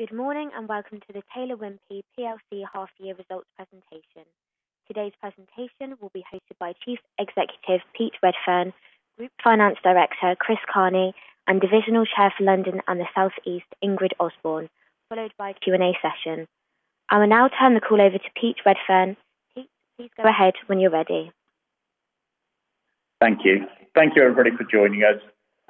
Good morning, and welcome to the Taylor Wimpey plc half year results presentation. Today's presentation will be hosted by Chief Executive, Pete Redfern, Group Finance Director, Chris Carney, and Divisional Chair for London and the South East, Ingrid Osborne, followed by Q&A session. I will now turn the call over to Pete Redfern. Pete, please go ahead when you're ready. Thank you. Thank you, everybody, for joining us.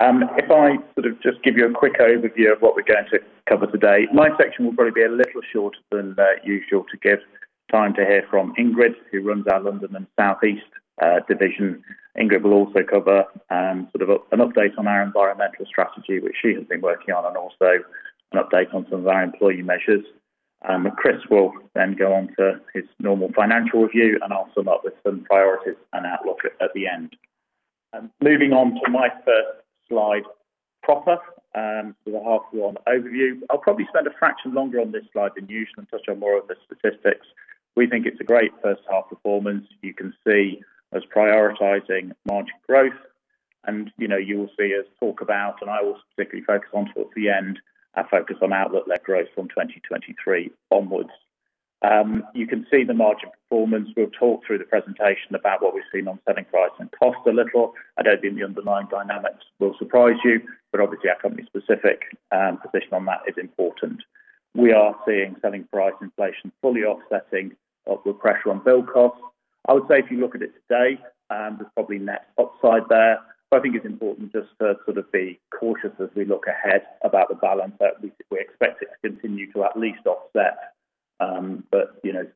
If I sort of just give you a quick overview of what we're going to cover today. My section will probably be a little shorter than usual to give time to hear from Ingrid Osborne, who runs our London and South East division. Ingrid Osborne will also cover an update on our environmental strategy, which she has been working on, and also an update on some of our employee measures. Chris Carney will then go on to his normal financial review, and I'll sum up with some priorities and outlook at the end. Moving on to my first slide proper, with a half one overview. I'll probably spend a fraction longer on this slide than usual and touch on more of the statistics. We think it's a great first half performance. You can see us prioritizing margin growth and you will see us talk about, and I will specifically focus on towards the end, our focus on outlook led growth from 2023 onwards. You can see the margin performance. We'll talk through the presentation about what we've seen on selling price and cost a little. I don't think the underlying dynamics will surprise you, but obviously our company's specific position on that is important. We are seeing selling price inflation fully offsetting upward pressure on build costs. I would say if you look at it today, there's probably net upside there, but I think it's important just to sort of be cautious as we look ahead about the balance that we expect it to continue to at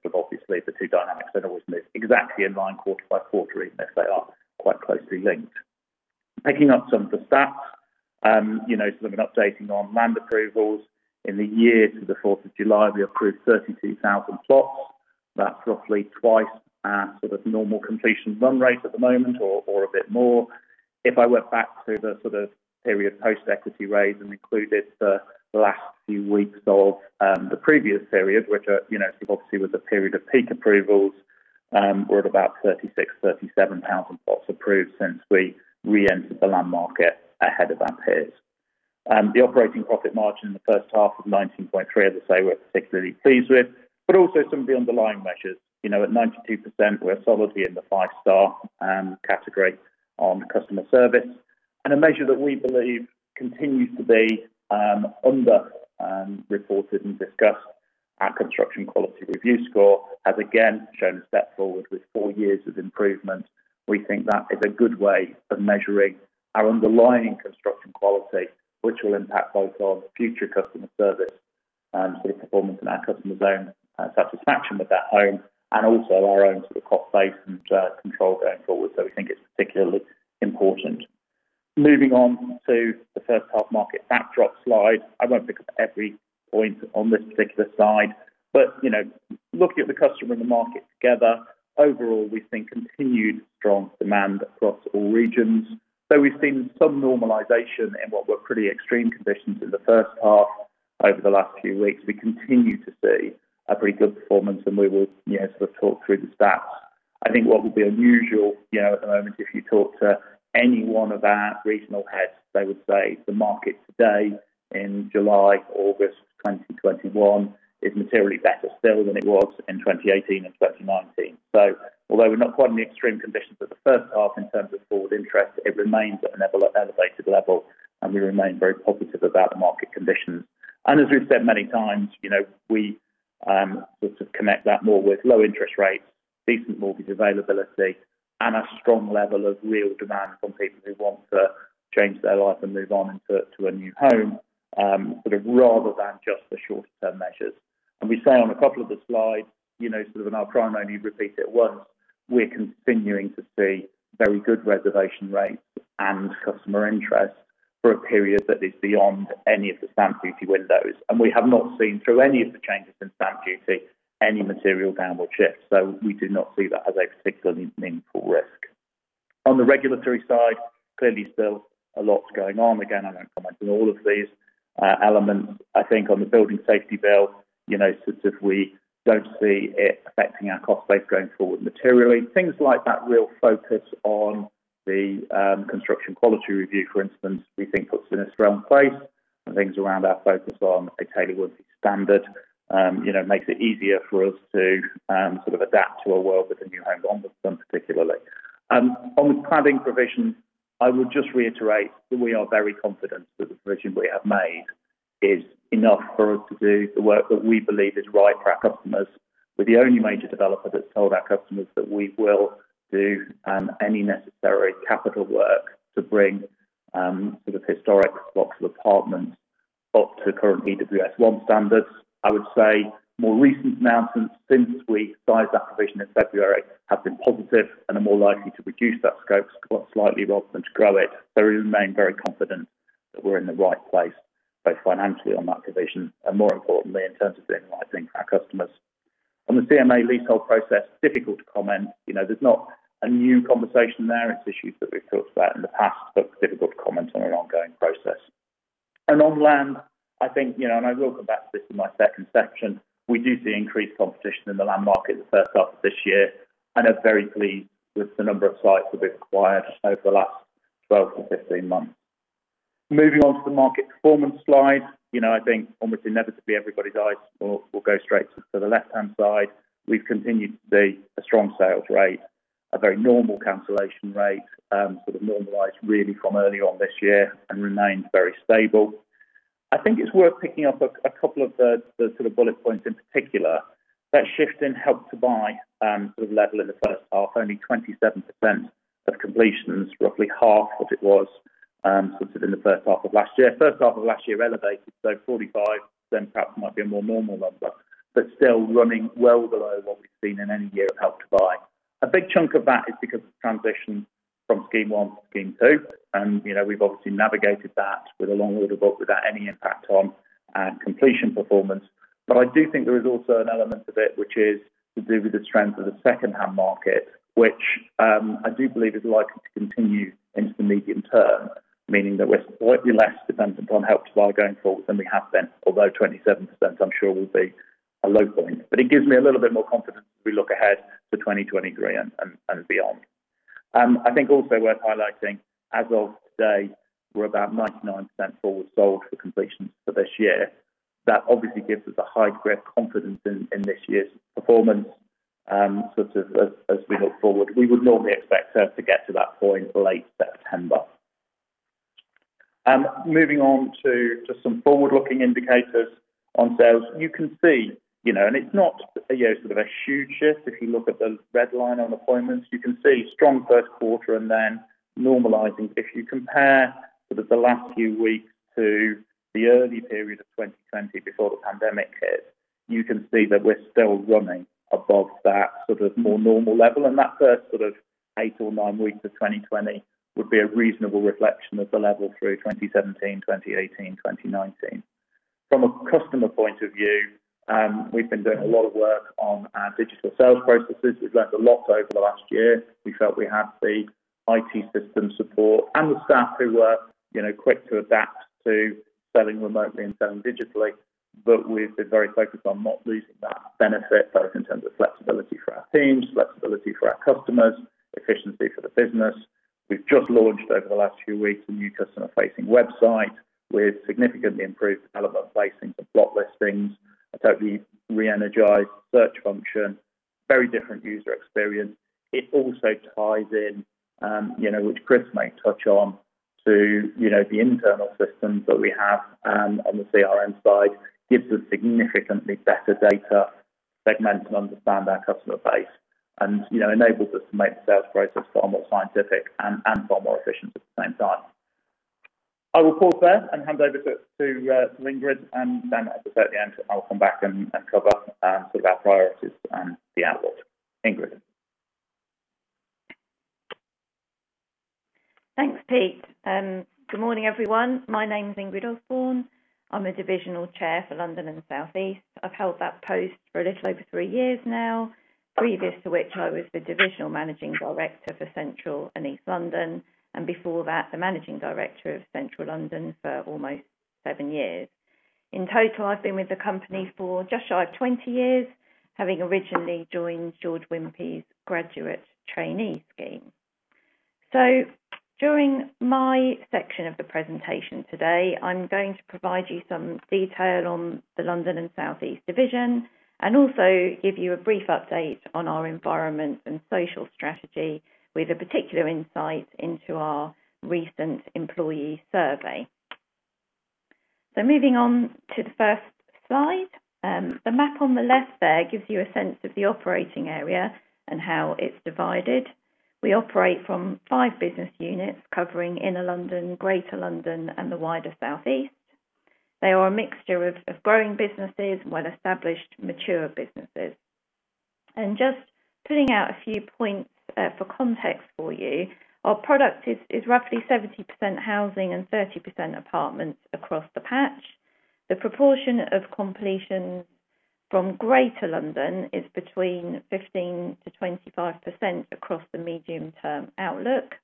least offset. Obviously the two dynamics aren't always exactly in line quarter by quarter, even if they are quite closely linked. Picking up some of the stats, sort of an updating on land approvals. In the year to the 4th of July, we approved 32,000 plots. That's roughly twice our sort of normal completion run rate at the moment or a bit more. If I went back to the sort of period post equity raise and included the last few weeks of the previous period, which obviously was a period of peak approvals, we're at about 36,000, 37,000 plots approved since we reentered the land market ahead of our peers. The operating profit margin in the first half of 19.3%, as I say, we're particularly pleased with, but also some of the underlying measures. At 92%, we're solidly in the five star category on customer service. A measure that we believe continues to be underreported and discussed, our construction quality review score has again shown a step forward with four years of improvement. We think that is a good way of measuring our underlying construction quality, which will impact both on future customer service, sort of performance in our customer's own satisfaction with that home, and also our own sort of cost base and control going forward. We think it's particularly important. Moving on to the first half market backdrop slide. I won't pick up every point on this particular slide, but looking at the customer and the market together, overall, we've seen continued strong demand across all regions. We've seen some normalization in what were pretty extreme conditions in the first half over the last few weeks. We continue to see a pretty good performance and we will sort of talk through the stats. I think what would be unusual at the moment, if you talk to any one of our regional heads, they would say the market today in July, August 2021, is materially better still than it was in 2018 and 2019. Although we're not quite in the extreme conditions of the first half in terms of forward interest, it remains at an elevated level and we remain very positive about the market conditions. As we've said many times, we sort of connect that more with low interest rates, decent mortgage availability, and a strong level of real demand from people who want to change their life and move on to a new home, sort of rather than just the shorter-term measures. We say on a couple of the slides, sort of in our prime only repeat it once, we're continuing to see very good reservation rates and customer interest for a period that is beyond any of the stamp duty windows. We have not seen through any of the changes in stamp duty any material down or shift. We do not see that as a particularly meaningful risk. On the regulatory side, clearly still a lot going on. Again, I won't comment on all of these elements. I think on the Building Safety Bill, sort of we don't see it affecting our cost base going forward materially. Things like that real focus on the construction quality review, for instance, we think puts us in a strong place and things around our focus on a Taylor Wimpey standard makes it easier for us to sort of adapt to a world with a new home on them particularly. On the cladding provision, I would just reiterate that we are very confident that the provision we have made is enough for us to do the work that we believe is right for our customers. We're the only major developer that's told our customers that we will do any necessary capital work to bring sort of historic blocks of apartments up to current EWS1 standards. I would say more recent announcements since we sized that provision in February have been positive and are more likely to reduce that scope slightly rather than to grow it. We remain very confident that we're in the right place, both financially on that provision and more importantly, in terms of doing the right thing for our customers. On the CMA leasehold process, difficult to comment. There's not a new conversation there. It's issues that we've talked about in the past, but difficult to comment on an ongoing process. On land, I think, and I will come back to this in my second section, we do see increased competition in the land market the first half of this year, and are very pleased with the number of sites we've acquired over the last 12-15 months. Moving on to the market performance slide. I think almost inevitably everybody's eyes will go straight to the left-hand side. We've continued to see a strong sales rate, a very normal cancellation rate, sort of normalized really from early on this year and remained very stable. I think it's worth picking up a couple of the sort of bullet points in particular. That shift in Help to Buy, sort of level in the first half, only 27% of completions, roughly half what it was sort of in the first half of last year. First half of last year elevated, so 45% perhaps might be a more normal number, but still running well below what we've seen in any year with Help to Buy. We've obviously navigated that with a long order book without any impact on completion performance. I do think there is also an element of it which is to do with the strength of the secondhand market, which I do believe is likely to continue into the medium-term, meaning that we're slightly less dependent on Help to Buy going forward than we have been. 27%, I'm sure, will be a low point. It gives me a little bit more confidence as we look ahead to 2023 and beyond. I think also worth highlighting, as of today, we're about 99% forward sold for completions for this year. That obviously gives us a high degree of confidence in this year's performance, sort of as we look forward. We would normally expect to get to that point late September. Moving on to just some forward-looking indicators on sales. You can see, and it's not a sort of a huge shift, if you look at the red line on appointments. You can see strong first quarter and then normalizing. If you compare sort of the last few weeks to the early period of 2020 before the pandemic hit, you can see that we're still running above that sort of more normal level. That first sort of eight or nine weeks of 2020 would be a reasonable reflection of the level through 2017, 2018, 2019. From a customer point of view, we've been doing a lot of work on our digital sales processes. We've learned a lot over the last year. We felt we had the IT system support and the staff who were quick to adapt to selling remotely and selling digitally. We've been very focused on not losing that benefit, both in terms of flexibility for our teams, flexibility for our customers, efficiency for the business. We've just launched over the last few weeks a new customer facing website with significantly improved development facings and plot listings, a totally re-energized search function, very different user experience. It also ties in, which Chris may touch on, to the internal systems that we have on the CRM side. Gives us significantly better data segment to understand our customer base and enables us to make the sales process far more scientific and far more efficient at the same time. I will pause there and hand over to Ingrid, and then at the very end, I will come back and cover sort of our priorities and the outlook. Ingrid? Thanks, Pete. Good morning, everyone. My name's Ingrid Osborne. I'm a Divisional Chair for London and the South East. I've held that post for a little over three years now. Previous to which I was the Divisional Managing Director for Central and East London, and before that, the Managing Director of Central London for almost seven years. In total, I've been with the company for just shy of 20 years, having originally joined George Wimpey's graduate trainee scheme. During my section of the presentation today, I'm going to provide you some detail on the London and South East division and also give you a brief update on our environment and social strategy with a particular insight into our recent employee survey. Moving on to the first slide. The map on the left there gives you a sense of the operating area and how it's divided. We operate from five business units covering inner London, Greater London, and the wider South East. They are a mixture of growing businesses and well-established mature businesses. Just putting out a few points for context for you, our product is roughly 70% housing and 30% apartments across the patch. The proportion of completion from Greater London is between 15%-25% across the medium-term outlook.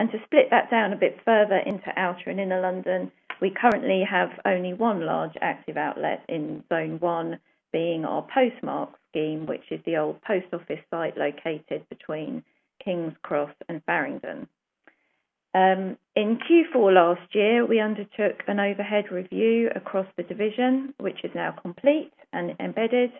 To split that down a bit further into outer and inner London, we currently have only one large active outlet in Zone 1, being our Postmark scheme, which is the old post office site located between King's Cross and Farringdon. In Q4 last year, we undertook an overhead review across the division, which is now complete and embedded.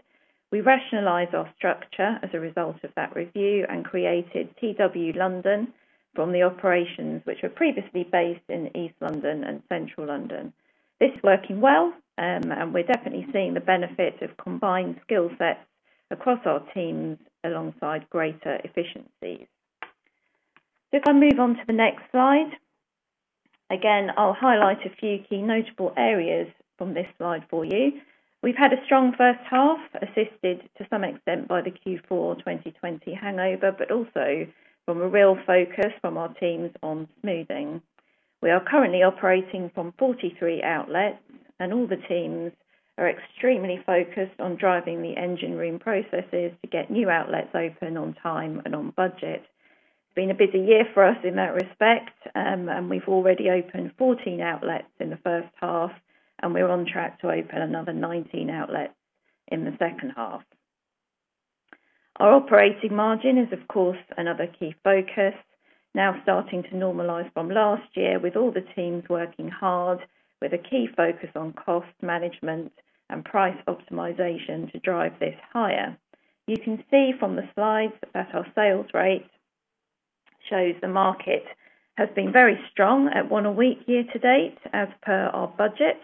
We rationalized our structure as a result of that review and created TW London from the operations which were previously based in East London and Central London. This is working well, and we're definitely seeing the benefit of combined skill sets across our teams alongside greater efficiencies. If I move on to the next slide. Again, I'll highlight a few key notable areas from this slide for you. We've had a strong first half, assisted to some extent by the Q4 2020 hangover, but also from a real focus from our teams on smoothing. We are currently operating from 43 outlets, and all the teams are extremely focused on driving the engine room processes to get new outlets open on time and on budget. It's been a busy year for us in that respect, and we've already opened 14 outlets in the first half, and we're on track to open another 19 outlets in the second half. Our operating margin is, of course, another key focus, now starting to normalize from last year with all the teams working hard with a key focus on cost management and price optimization to drive this higher. You can see from the slides that our sales rate shows the market has been very strong at one a week year-to-date as per our budget,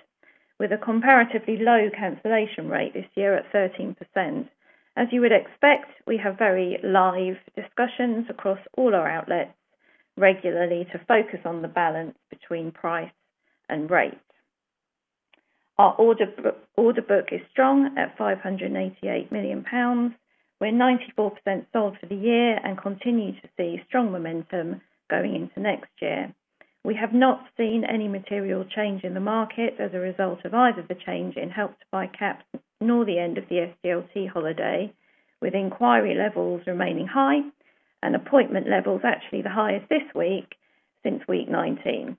with a comparatively low cancellation rate this year at 13%. As you would expect, we have very live discussions across all our outlets regularly to focus on the balance between price and rate. Our order book is strong at 588 million pounds, we are 94% sold for the year and continue to see strong momentum going into next year. We have not seen any material change in the market as a result of either the change in Help to Buy caps, nor the end of the SDLT holiday, with inquiry levels remaining high and appointment levels actually the highest this week since week 19.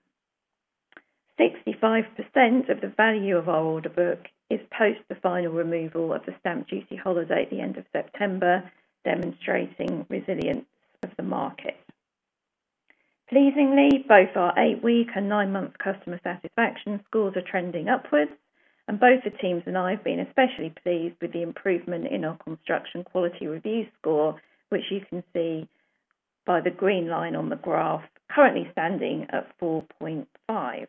65% of the value of our order book is post the final removal of the stamp duty holiday at the end of September, demonstrating resilience of the market. Pleasingly, both our eight-week and nine-month customer satisfaction scores are trending upwards, and both the teams and I have been especially pleased with the improvement in our construction quality review score, which you can see by the green line on the graph currently standing at 4.5.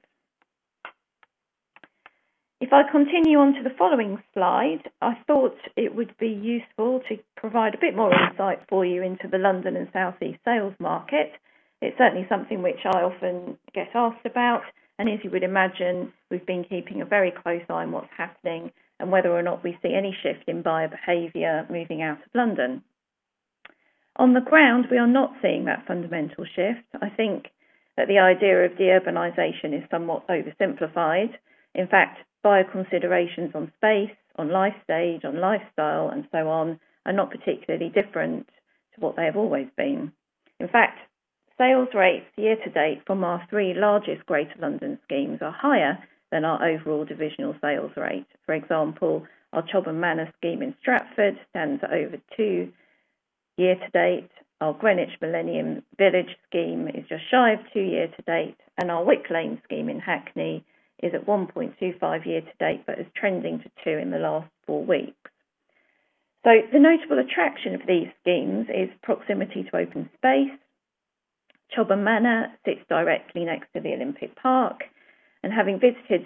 If I continue onto the following slide, I thought it would be useful to provide a bit more insight for you into the London and the South East sales market. It's certainly something which I often get asked about, and as you would imagine, we've been keeping a very close eye on what's happening and whether or not we see any shift in buyer behavior moving out of London. On the ground, we are not seeing that fundamental shift. I think that the idea of de-urbanization is somewhat oversimplified. In fact, buyer considerations on space, on life stage, on lifestyle, and so on, are not particularly different to what they have always been. In fact, sales rates year-to-date from our three largest Greater London schemes are higher than our overall divisional sales rate. For example, our Chobham Manor scheme in Stratford stands at over two year-to-date. Our Greenwich Millennium Village scheme is just shy of two year-to-date, and our Wick Lane scheme in Hackney is at 1.25 year-to-date, but is trending to two in the last four weeks. The notable attraction of these schemes is proximity to open space. Chobham Manor sits directly next to the Olympic Park, and having visited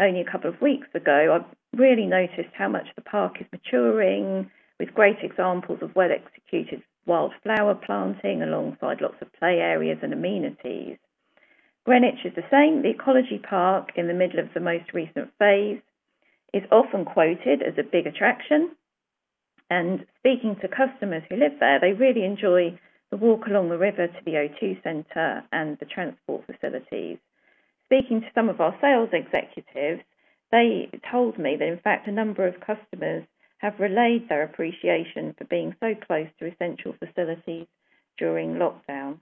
only a couple of weeks ago, I've really noticed how much the park is maturing. With great examples of well executed wildflower planting alongside lots of play areas and amenities. Greenwich is the same. The ecology park in the middle of the most recent phase is often quoted as a big attraction. Speaking to customers who live there, they really enjoy the walk along the river to the O2 Center and the transport facilities. Speaking to some of our sales executives, they told me that, in fact, a number of customers have relayed their appreciation for being so close to essential facilities during lockdown.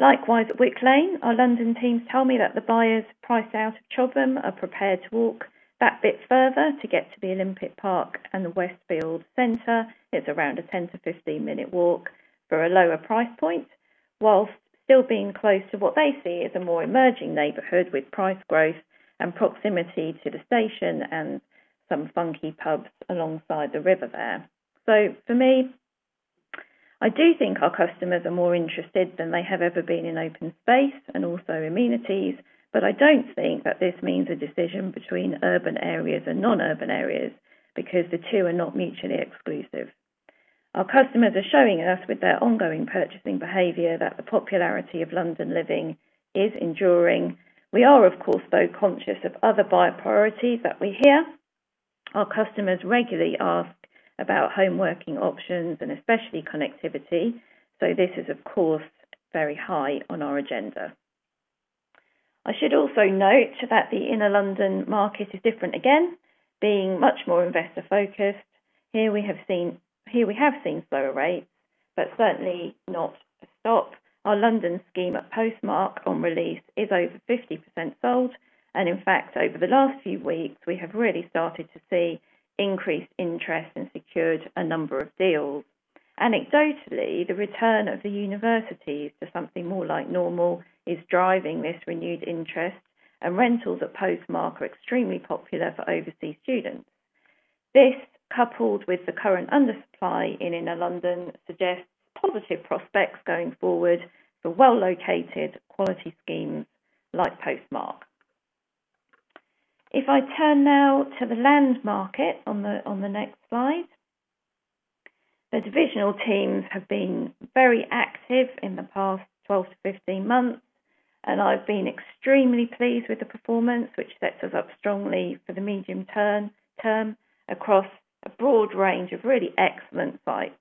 Likewise, at Wick Lane, our London teams tell me that the buyers priced out of Chobham are prepared to walk that bit further to get to the Olympic Park and the Westfield Centre. It's around a 10-15 minute walk for a lower price point, while still being close to what they see as a more emerging neighborhood with price growth and proximity to the station and some funky pubs alongside the river there. For me, I do think our customers are more interested than they have ever been in open space and also amenities, but I don't think that this means a decision between urban areas and non-urban areas because the two are not mutually exclusive. Our customers are showing us with their ongoing purchasing behavior that the popularity of London living is enduring. We are, of course, though conscious of other buyer priorities that we hear. Our customers regularly ask about home working options and especially connectivity. This is, of course, very high on our agenda. I should also note that the inner London market is different again, being much more investor focused. Here we have seen slower rates, but certainly not stopped. Our London scheme at Postmark on release is over 50% sold and in fact, over the last few weeks, we have really started to see increased interest and secured a number of deals. Anecdotally, the return of the universities to something more like normal is driving this renewed interest and rentals at Postmark are extremely popular for overseas students. This, coupled with the current undersupply in inner London, suggests positive prospects going forward for well located quality schemes like Postmark. If I turn now to the land market on the next slide. The divisional teams have been very active in the past 12-15 months, and I've been extremely pleased with the performance, which sets us up strongly for the medium-term across a broad range of really excellent sites.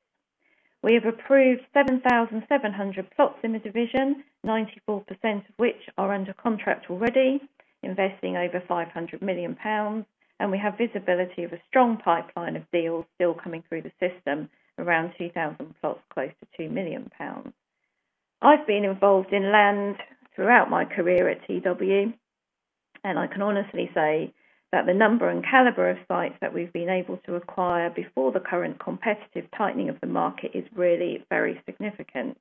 We have approved 7,700 plots in the division, 94% of which are under contract already, investing over 500 million pounds, and we have visibility of a strong pipeline of deals still coming through the system, around 2,000 plots, close to 2 million pounds. I've been involved in land throughout my career at TW. I can honestly say that the number and caliber of sites that we've been able to acquire before the current competitive tightening of the market is really very significant.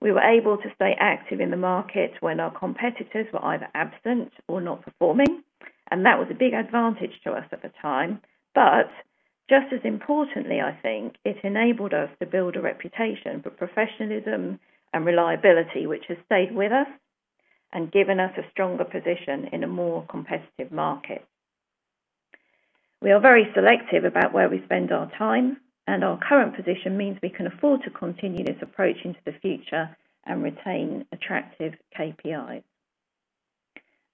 We were able to stay active in the market when our competitors were either absent or not performing. That was a big advantage to us at the time. Just as importantly, I think, it enabled us to build a reputation for professionalism and reliability, which has stayed with us and given us a stronger position in a more competitive market. We are very selective about where we spend our time. Our current position means we can afford to continue this approach into the future and retain attractive KPIs.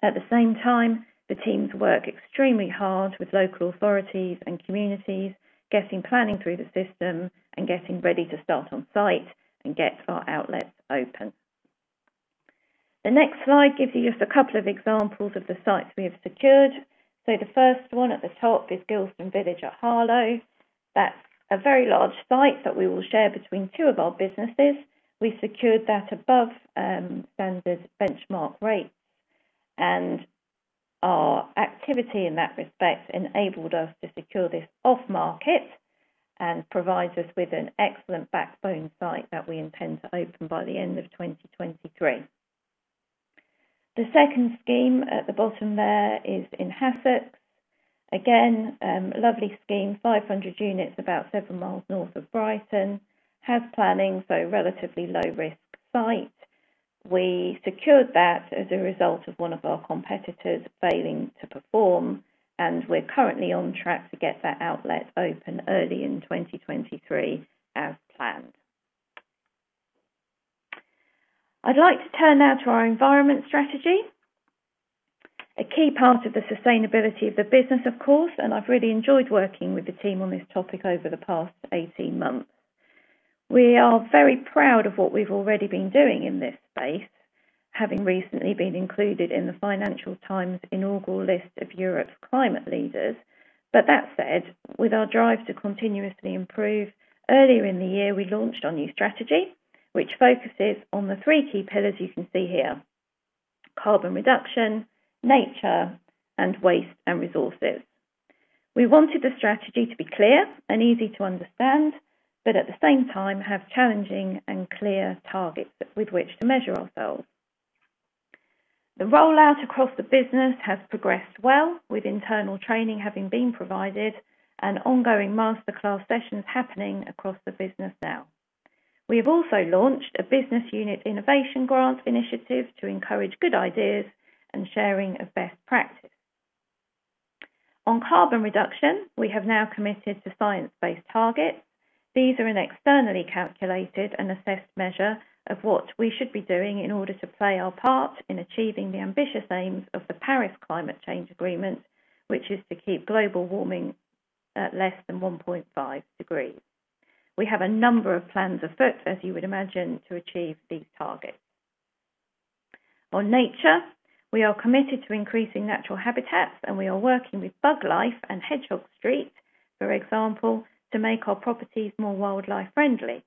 At the same time, the teams work extremely hard with local authorities and communities, getting planning through the system and getting ready to start on site and get our outlets open. The next slide gives you just two examples of the sites we have secured. The first one at the top is Gilston Village at Harlow. That's a very large site that we will share between two of our businesses. We secured that above standard benchmark rates, and our activity in that respect enabled us to secure this off-market and provides us with an excellent backbone site that we intend to open by the end of 2023. The second scheme at the bottom there is in Hassocks. Again, lovely scheme, 500 units about 7 mi north of Brighton. Has planning, so relatively low-risk site. We secured that as a result of one of our competitors failing to perform, and we're currently on track to get that outlet open early in 2023 as planned. I'd like to turn now to our environment strategy. A key part of the sustainability of the business, of course, and I've really enjoyed working with the team on this topic over the past 18 months. We are very proud of what we've already been doing in this space, having recently been included in the "Financial Times" inaugural list of Europe's climate leaders. That said, with our drive to continuously improve, earlier in the year, we launched our new strategy, which focuses on the three key pillars you can see here, carbon reduction, nature, and waste and resources. We wanted the strategy to be clear and easy to understand, but at the same time, have challenging and clear targets with which to measure ourselves. The rollout across the business has progressed well, with internal training having been provided and ongoing master class sessions happening across the business now. We have also launched a business unit innovation grant initiative to encourage good ideas and sharing of best practice. On carbon reduction, we have now committed to science-based targets. These are an externally calculated and assessed measure of what we should be doing in order to play our part in achieving the ambitious aims of the Paris Agreement, which is to keep global warming at less than 1.5 degrees. We have a number of plans afoot, as you would imagine, to achieve these targets. On nature, we are committed to increasing natural habitats, and we are working with Buglife and Hedgehog Street, for example, to make our properties more wildlife friendly.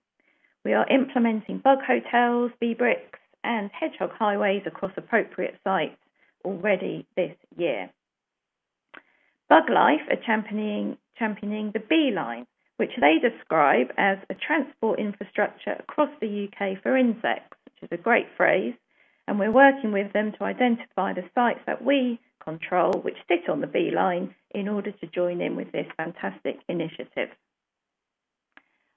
We are implementing bug hotels, bee bricks, and hedgehog highways across appropriate sites already this year. Buglife are championing the B-Line, which they describe as a transport infrastructure across the UK for insects, which is a great phrase, and we're working with them to identify the sites that we control which sit on the B-Line in order to join in with this fantastic initiative.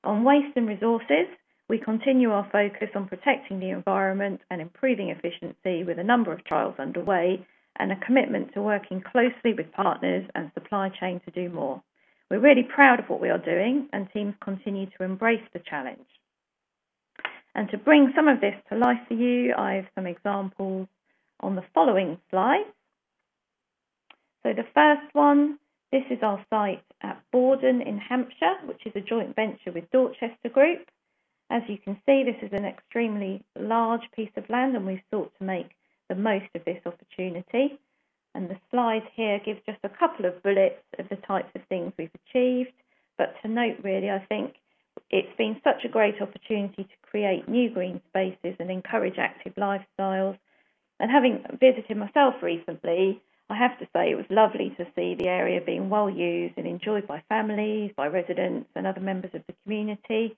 On waste and resources, we continue our focus on protecting the environment and improving efficiency with a number of trials underway and a commitment to working closely with partners and supply chain to do more. We're really proud of what we are doing, and teams continue to embrace the challenge. To bring some of this to life for you, I have some examples on the following slide. The first one, this is our site at Bordon in Hampshire, which is a joint venture with Dorchester Group. As you can see, this is an extremely large piece of land, and we've sought to make the most of this opportunity. The slide here gives just a couple of bullets of the types of things we've achieved. To note, really, I think it's been such a great opportunity to create new green spaces and encourage active lifestyles. Having visited myself recently, I have to say it was lovely to see the area being well used and enjoyed by families, by residents, and other members of the community.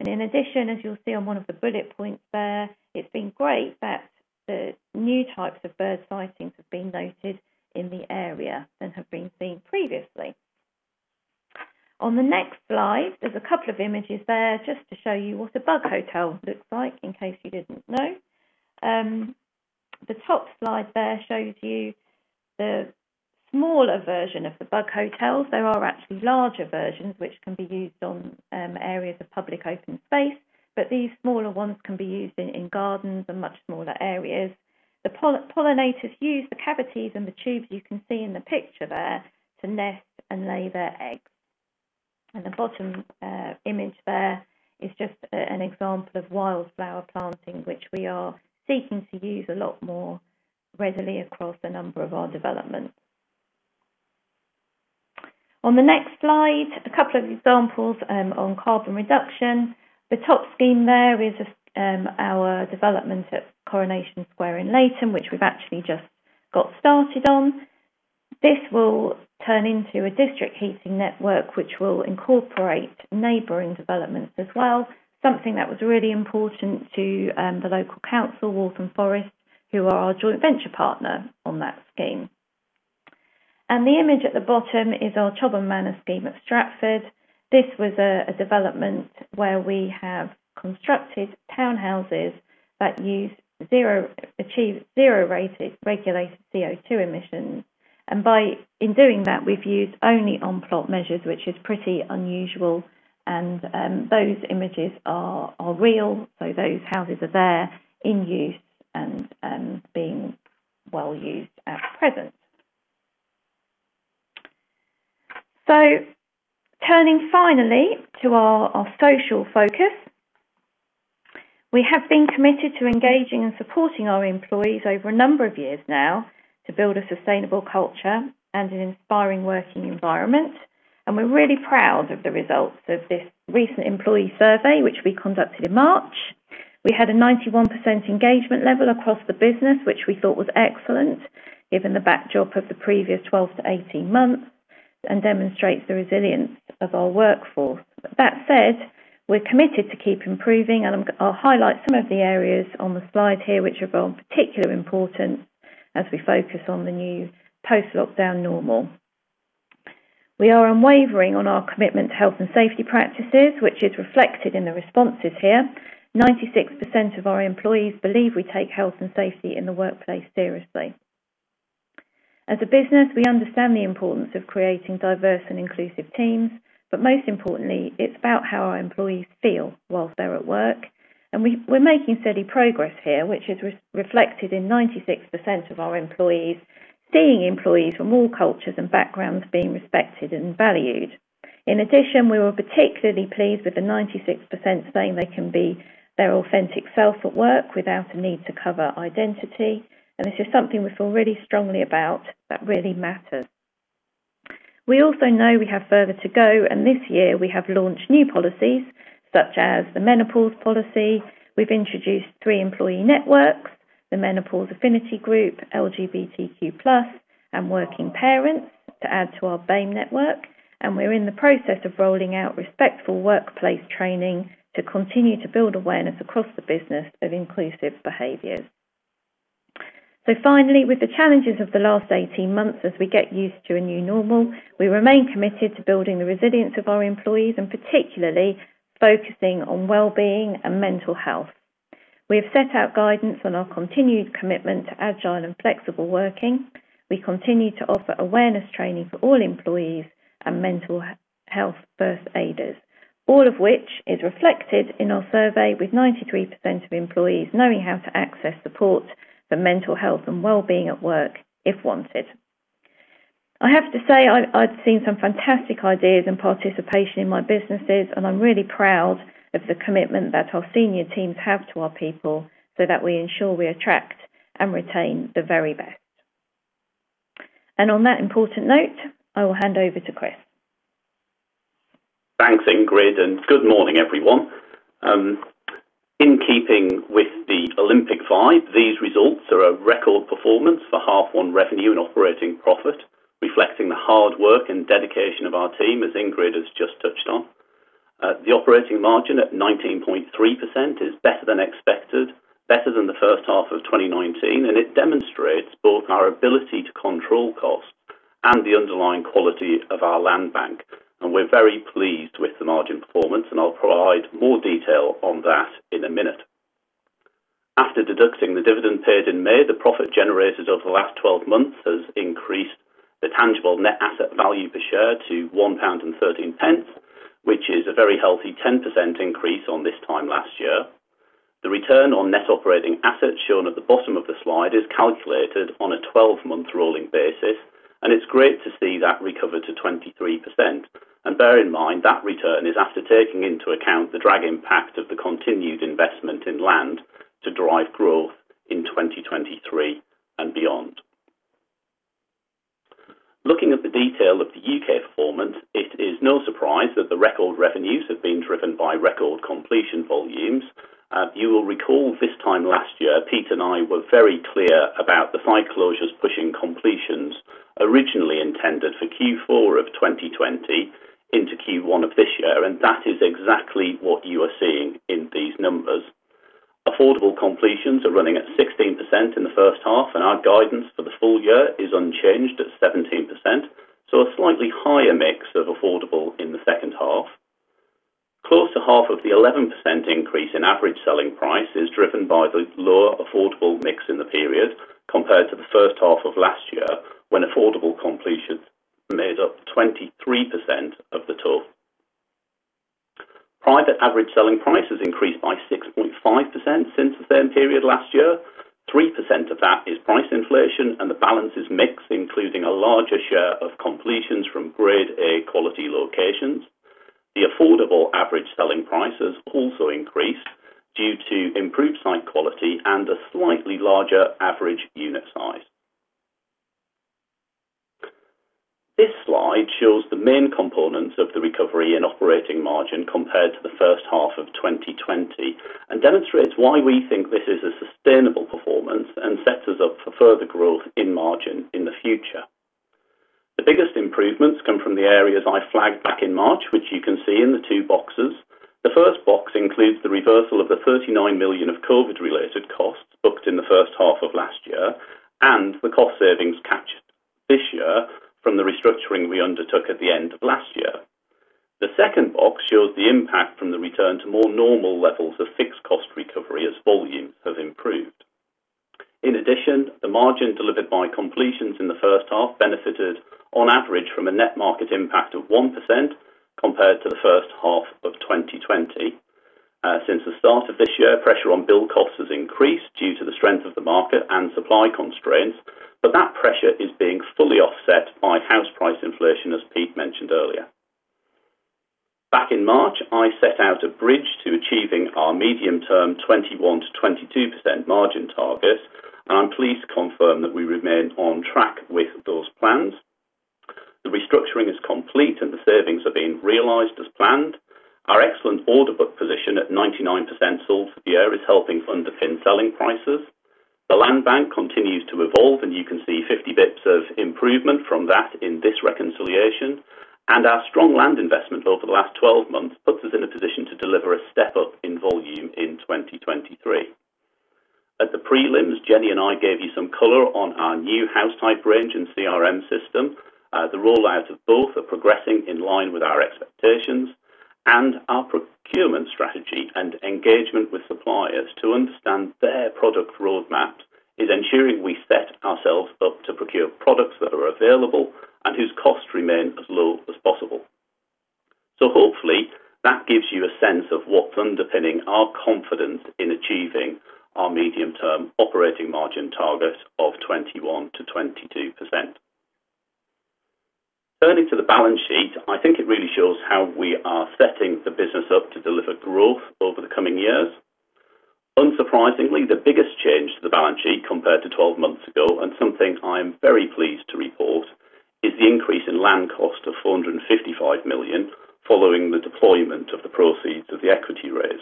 In addition, as you'll see on one of the bullet points there, it's been great that the new types of bird sightings have been noted in the area than have been seen previously. On the next slide, there's a couple of images there just to show you what a bug hotel looks like, in case you didn't know. The top slide there shows you the smaller version of the bug hotels. There are actually larger versions which can be used on areas of public open space, these smaller ones can be used in gardens and much smaller areas. The pollinators use the cavities and the tubes you can see in the picture there to nest and lay their eggs. The bottom image there is just an example of wildflower planting, which we are seeking to use a lot more readily across a number of our developments. On the next slide, a couple of examples on carbon reduction. The top scheme there is our development at Coronation Square in Leyton, which we've actually just got started on. This will turn into a district heating network, which will incorporate neighboring developments as well, something that was really important to the local council, Waltham Forest, who are our joint venture partner on that scheme. The image at the bottom is our Chobham Manor scheme at Stratford. This was a development where we have constructed townhouses that achieve zero-rated regulated CO2 emissions. In doing that, we've used only on-plot measures, which is pretty unusual. Those images are real. Those houses are there in use and being well used at present. Turning finally to our social focus. We have been committed to engaging and supporting our employees over a number of years now to build a sustainable culture and an inspiring working environment, and we're really proud of the results of this recent employee survey, which we conducted in March. We had a 91% engagement level across the business, which we thought was excellent given the backdrop of the previous 12-18 months, and demonstrates the resilience of our workforce. That said, we're committed to keep improving, and I'll highlight some of the areas on the slide here, which are of particular importance as we focus on the new post-lockdown normal. We are unwavering on our commitment to health and safety practices, which is reflected in the responses here. 96% of our employees believe we take health and safety in the workplace seriously. As a business, we understand the importance of creating diverse and inclusive teams, but most importantly, it's about how our employees feel whilst they're at work. We're making steady progress here, which is reflected in 96% of our employees seeing employees from all cultures and backgrounds being respected and valued. In addition, we were particularly pleased with the 96% saying they can be their authentic self at work without a need to cover identity. This is something we feel really strongly about that really matters. We also know we have further to go, and this year we have launched new policies such as the menopause policy. We've introduced three employee networks, the menopause affinity group, LGBTQ+, and working parents to add to our BAME network. We're in the process of rolling out respectful workplace training to continue to build awareness across the business of inclusive behaviors. Finally, with the challenges of the last 18 months as we get used to a new normal, we remain committed to building the resilience of our employees and particularly focusing on well-being and mental health. We have set out guidance on our continued commitment to agile and flexible working. We continue to offer awareness training for all employees and mental health first aiders, all of which is reflected in our survey, with 93% of employees knowing how to access support for mental health and well-being at work if wanted. I have to say, I've seen some fantastic ideas and participation in my businesses, and I'm really proud of the commitment that our senior teams have to our people so that we ensure we attract and retain the very best. On that important note, I will hand over to Chris. Thanks, Ingrid, good morning, everyone. In keeping with the Olympic vibe, these results are a record performance for half on revenue and operating profit, reflecting the hard work and dedication of our team, as Ingrid has just touched on. The operating margin at 19.3% is better than expected, better than the first half of 2019, it demonstrates both our ability to control costs and the underlying quality of our land bank. We're very pleased with the margin performance, and I'll provide more detail on that in a minute. After deducting the dividend paid in May, the profit generated over the last 12 months has increased the tangible net asset value per share to 1.13 pound, which is a very healthy 10% increase on this time last year. The return on net operating assets shown at the bottom of the slide is calculated on a 12-month rolling basis. It's great to see that recover to 23%. Bear in mind, that return is after taking into account the drag impact of the continued investment in land to drive growth in 2023 and beyond. Looking at the detail of the U.K. performance, it is no surprise that the record revenues have been driven by record completion volumes. You will recall this time last year, Pete and I were very clear about the site closures pushing completions originally intended for Q4 of 2020 into Q1 of this year. That is exactly what you are seeing in these numbers. Affordable completions are running at 16% in the first half, and our guidance for the full year is unchanged at 17%, so a slightly higher mix of affordable in the second half. Close to half of the 11% increase in average selling price is driven by the lower affordable mix in the period compared to the first half of last year, when affordable completions made up 23% of the total. Private average selling prices increased by 6.5% since the same period last year. 3% of that is price inflation and the balance is mix, including a larger share of completions from Grade A quality locations. Affordable average selling prices also increased due to improved site quality and a slightly larger average unit size. This slide shows the main components of the recovery in operating margin compared to the first half of 2020 and demonstrates why we think this is a sustainable performance and sets us up for further growth in margin in the future. The biggest improvements come from the areas I flagged back in March, which you can see in the two boxes. The first box includes the reversal of the 39 million of COVID related costs booked in the first half of last year, and the cost savings captured this year from the restructuring we undertook at the end of last year. The second box shows the impact from the return to more normal levels of fixed cost recovery as volumes have improved. In addition, the margin delivered by completions in the first half benefited on average from a net market impact of 1% compared to the first half of 2020. Since the start of this year, pressure on build costs has increased due to the strength of the market and supply constraints, but that pressure is being fully offset by house price inflation, as Pete mentioned earlier. Back in March, I set out a bridge to achieving our medium-term 21%-22% margin target, and I am pleased to confirm that we remain on track with those plans. The restructuring is complete, and the savings are being realized as planned. Our excellent order book position at 99% sold for the year is helping underpin selling prices. The land bank continues to evolve, you can see 50 basis points of improvement from that in this reconciliation. Our strong land investment over the last 12 months puts us in a position to deliver a step-up in volume in 2023. At the prelims, Jennie and I gave you some color on our new house type range and CRM system. The roll-outs of both are progressing in line with our expectations, and our procurement strategy and engagement with suppliers to understand their product roadmap is ensuring we set ourselves up to procure products that are available and whose costs remain as low as possible. Hopefully, that gives you a sense of what's underpinning our confidence in achieving our medium-term operating margin target of 21%-22%. Turning to the balance sheet, I think it really shows how we are setting the business up to deliver growth over the coming years. Unsurprisingly, the biggest change to the balance sheet compared to 12 months ago, and something I am very pleased to report, is the increase in land cost of 455 million following the deployment of the proceeds of the equity raise.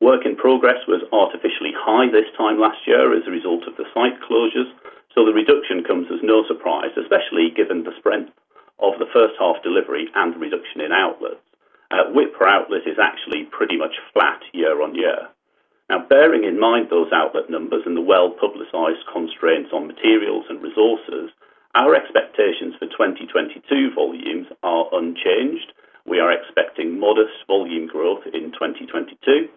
Work in progress was artificially high this time last year as a result of the site closures. The reduction comes as no surprise, especially given the strength of the first half delivery and the reduction in output. WIP per outlet is actually pretty much flat year-on-year. Bearing in mind those output numbers and the well-publicized constraints on materials and resources, our expectations for 2022 volumes are unchanged. We are expecting modest volume growth in 2022.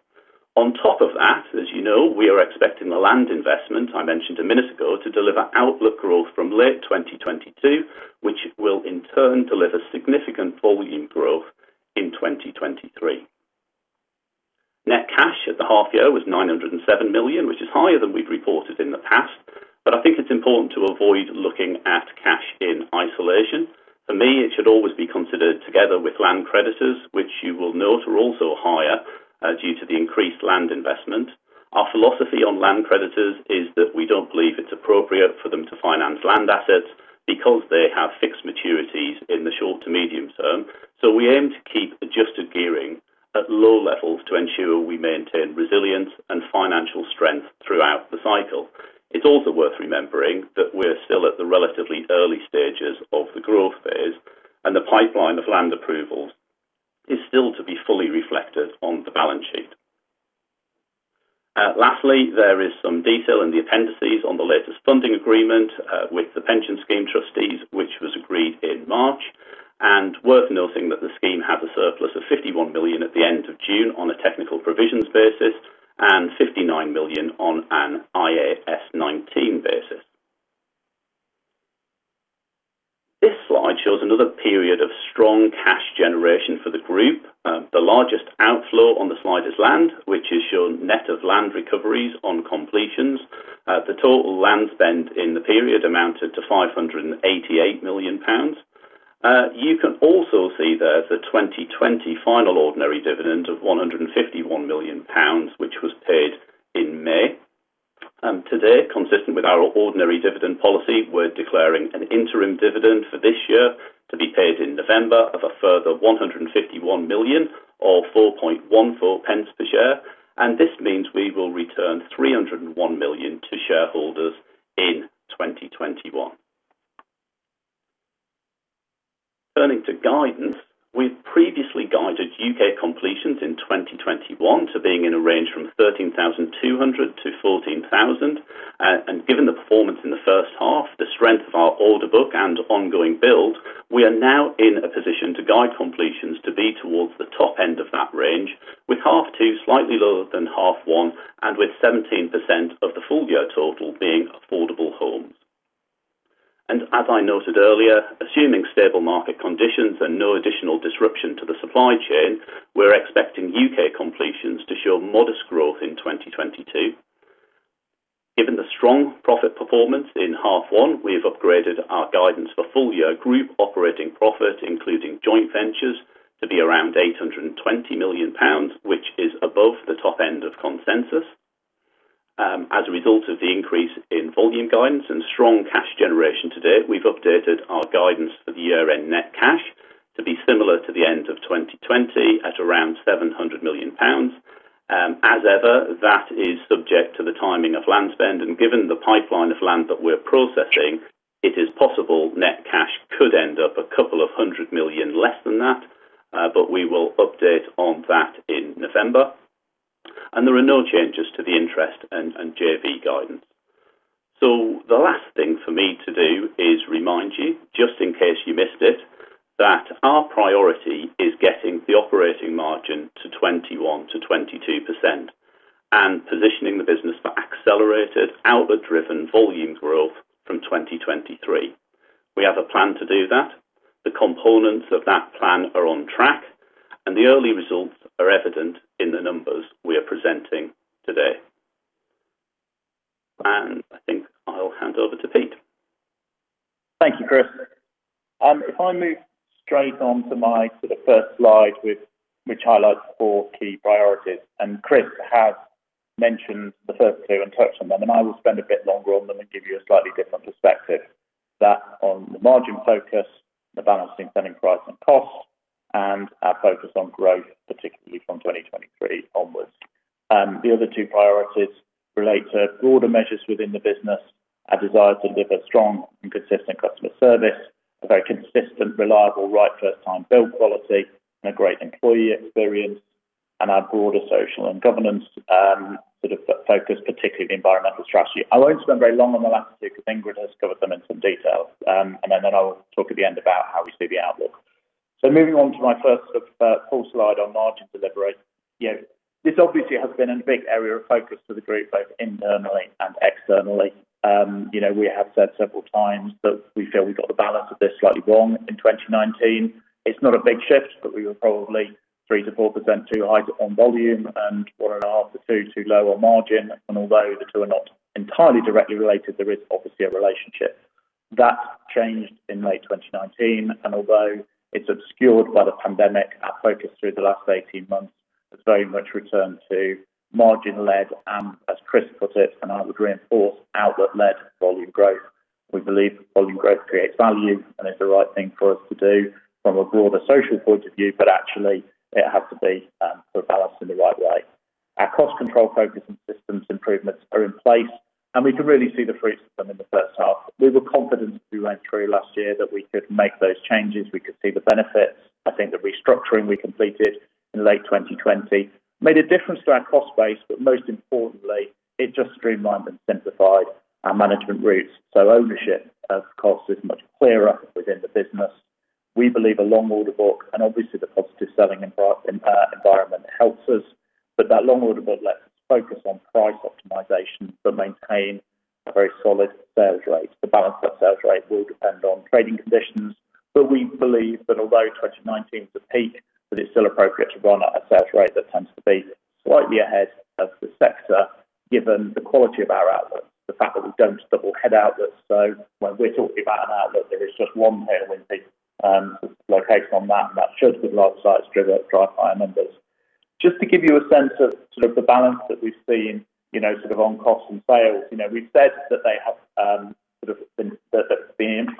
On top of that, as you know, we are expecting the land investment I mentioned a minute ago, to deliver output growth from late 2022, which will in turn deliver significant volume growth in 2023. Net cash at the half year was 907 million, which is higher than we'd reported in the past. I think it's important to avoid looking at cash in isolation. For me, it should always be considered together with land creditors, which you will note are also higher due to the increased land investment. Our philosophy on land creditors is that we don't believe it's appropriate for them to finance land assets because they have fixed maturities in the short to medium-term. We aim to keep adjusted gearing at low levels to ensure we maintain resilience and financial strength throughout the cycle. It's also worth remembering that we're still at the relatively early stages of the growth phase, and the pipeline of land approvals is still to be fully reflected on the balance sheet. Lastly, there is some detail in the appendices on the latest funding agreement with the pension scheme trustees, which was agreed in March. Worth noting that the scheme had a surplus of 51 million at the end of June on a technical provisions basis, and 59 million on an IAS 19 basis. This slide shows another period of strong cash generation for the group. The largest outflow on the slide is land, which is your net of land recoveries on completions. The total land spend in the period amounted to 588 million pounds. You can also see there the 2020 final ordinary dividend of 151 million pounds, which was paid in May. Today, consistent with our ordinary dividend policy, we are declaring an interim dividend for this year to be paid in November of a further 151 million or 0.0414 per share. This means we will return 301 million to shareholders in 2021. Turning to guidance, we have previously guided U.K. completions in 2021 to being in a range from 13,200-14,000. Given the performance in H1, the strength of our order book and ongoing build, we are now in a position to guide completions to be towards the top end of that range, with H2 slightly lower than H1 and with 17% of the full year total being affordable homes. As I noted earlier, assuming stable market conditions and no additional disruption to the supply chain, we're expecting U.K. completions to show modest growth in 2022. Strong profit performance in H1. We've upgraded our guidance for full-year group operating profit, including joint ventures, to be around 820 million pounds, which is above the top end of consensus. As a result of the increase in volume guidance and strong cash generation to date, we've updated our guidance for the year-end net cash to be similar to the end of 2020 at around 700 million pounds. As ever, that is subject to the timing of land spend. Given the pipeline of land that we're processing, it is possible net cash could end up a couple of hundred million GBP less than that, but we will update on that in November. There are no changes to the interest and JV guidance. The last thing for me to do is remind you, just in case you missed it, that our priority is getting the operating margin to 21%-22% and positioning the business for accelerated output-driven volume growth from 2023. We have a plan to do that. The components of that plan are on track. The early results are evident in the numbers we are presenting today. I think I'll hand over to Pete. Thank you, Chris. If I move straight on to my first slide, which highlights four key priorities, and Chris has mentioned the first two and touched on them, and I will spend a bit longer on them and give you a slightly different perspective, that on the margin focus, the balancing selling price and costs, and our focus on growth, particularly from 2023 onwards. The other two priorities relate to broader measures within the business. Our desire to deliver strong and consistent customer service, a very consistent, reliable, right first time build quality, and a great employee experience, and our broader social and governance focus, particularly the environmental strategy. I won't spend very long on the last two because Ingrid has covered them in some detail. Then I will talk at the end about how we see the outlook. Moving on to my first full slide on margin delivery. This obviously has been a big area of focus for the group, both internally and externally. We have said several times that we feel we got the balance of this slightly wrong in 2019. It's not a big shift, but we were probably 3%-4% too high on volume and 1.5%-2% too low on margin. Although the two are not entirely directly related, there is obviously a relationship. That changed in May 2019, and although it's obscured by the pandemic, our focus through the last 18 months has very much returned to margin-led, and as Chris put it, and I would reinforce, output-led volume growth. We believe volume growth creates value and is the right thing for us to do from a broader social point of view, but actually, it has to be balanced in the right way. Our cost control focus and systems improvements are in place. We can really see the fruits of them in the H1. We were confident as we went through last year that we could make those changes. We could see the benefits. I think the restructuring we completed in late 2020 made a difference to our cost base. Most importantly, it just streamlined and simplified our management routes. Ownership of costs is much clearer within the business. We believe a long order book and obviously the positive selling environment helps us. That long order book lets us focus on price optimization but maintain a very solid sales rate. The balance of that sales rate will depend on trading conditions, but we believe that although 2019 is a peak, that it's still appropriate to run at a sales rate that tends to be slightly ahead of the sector, given the quality of our outlook, the fact that we don't double head outputs. When we're talking about an outlook, there is just one Taylor Wimpey location on that, and that should, with large sites, drive higher numbers. Just to give you a sense of the balance that we've seen on cost and sales. We've said that the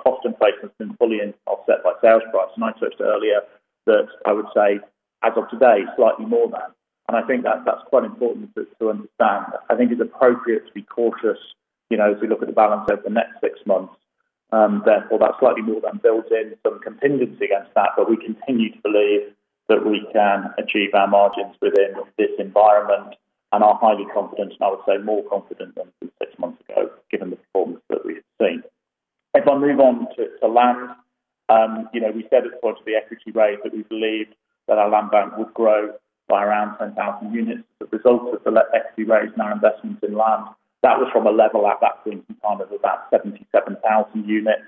cost inflation has been fully offset by sales price, and I touched earlier that I would say as of today, slightly more than. I think that's quite important to understand. I think it's appropriate to be cautious as we look at the balance over the next six months. That slightly more than builds in some contingency against that. We continue to believe that we can achieve our margins within this environment and are highly confident, and I would say more confident than six months ago, given the performance that we have seen. If I move on to land. We said at the point of the equity raise that we believed that our land bank would grow by around 10,000 units as a result of the equity raise and our investments in land. That was from a level at that point in time of about 77,000 units.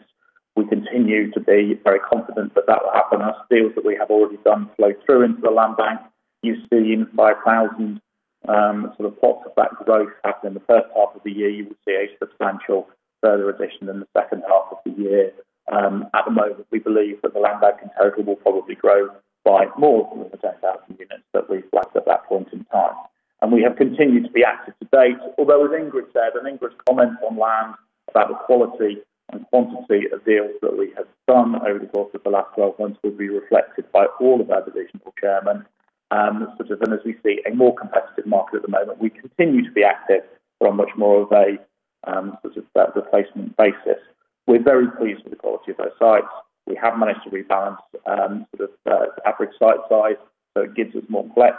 We continue to be very confident that that will happen as deals that we have already done flow through into the land bank. You've seen 5,000 plots of that growth happen in the first half of the year. You will see a substantial further addition in the second half of the year. At the moment, we believe that the land bank in total will probably grow by more than the 10,000 units that we flagged at that point in time. We have continued to be active to date. Although, as Ingrid said, Ingrid's comments on land about the quality and quantity of deals that we have done over the course of the last 12 months will be reflected by all of our divisional chairman. As we see a more competitive market at the moment, we continue to be active from much more of a replacement basis. We're very pleased with the quality of those sites. We have managed to rebalance the average site size, so it gives us more flex.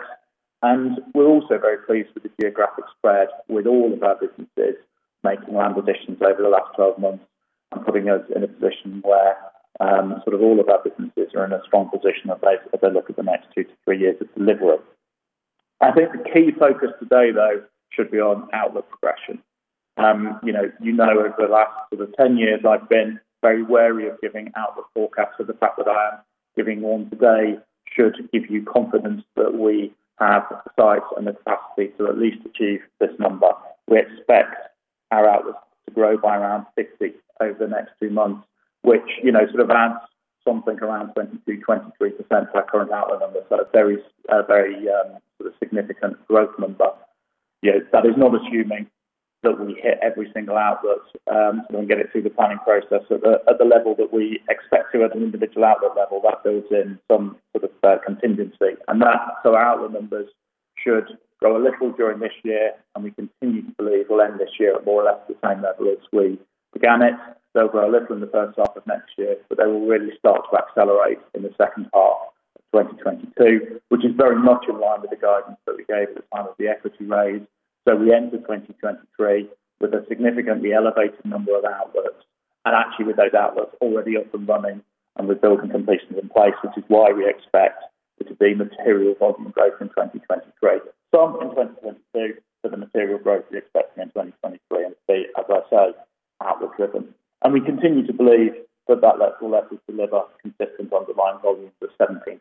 We're also very pleased with the geographic spread with all of our businesses making land additions over the last 12 months and putting us in a position where all of our businesses are in a strong position as they look at the next two to three years of delivery. I think the key focus today, though, should be on outlook progression. You know over the last 10 years I've been very wary of giving outlook forecasts. The fact that I am giving one today should give you confidence that we have the sites and the capacity to at least achieve this number. We expect our outlook to grow by around 60 over the next two months, which sort of adds something around 22%, 23% to our current outlook numbers. A very significant growth number. That is not assuming that we hit every one outlook and get it through the planning process at the level that we expect to at an individual outlook level. That builds in some sort of contingency. Our outlook numbers should grow a little during this year, and we continue to believe we will end this year at more or less the same level as we began it. They will grow a little in the first half of next year, but they will really start to accelerate in the second half of 2022, which is very much in line with the guidance that we gave at the time of the equity raise. We enter 2023 with a significantly elevated number of outlooks, and actually with those outlooks already up and running and with building completions in place, which is why we expect there to be material volume growth in 2023. Some in 2022, but the material growth we're expecting in 2023, it'll be, as I say, outlook driven. We continue to believe that that level will let us deliver consistent underlying volumes of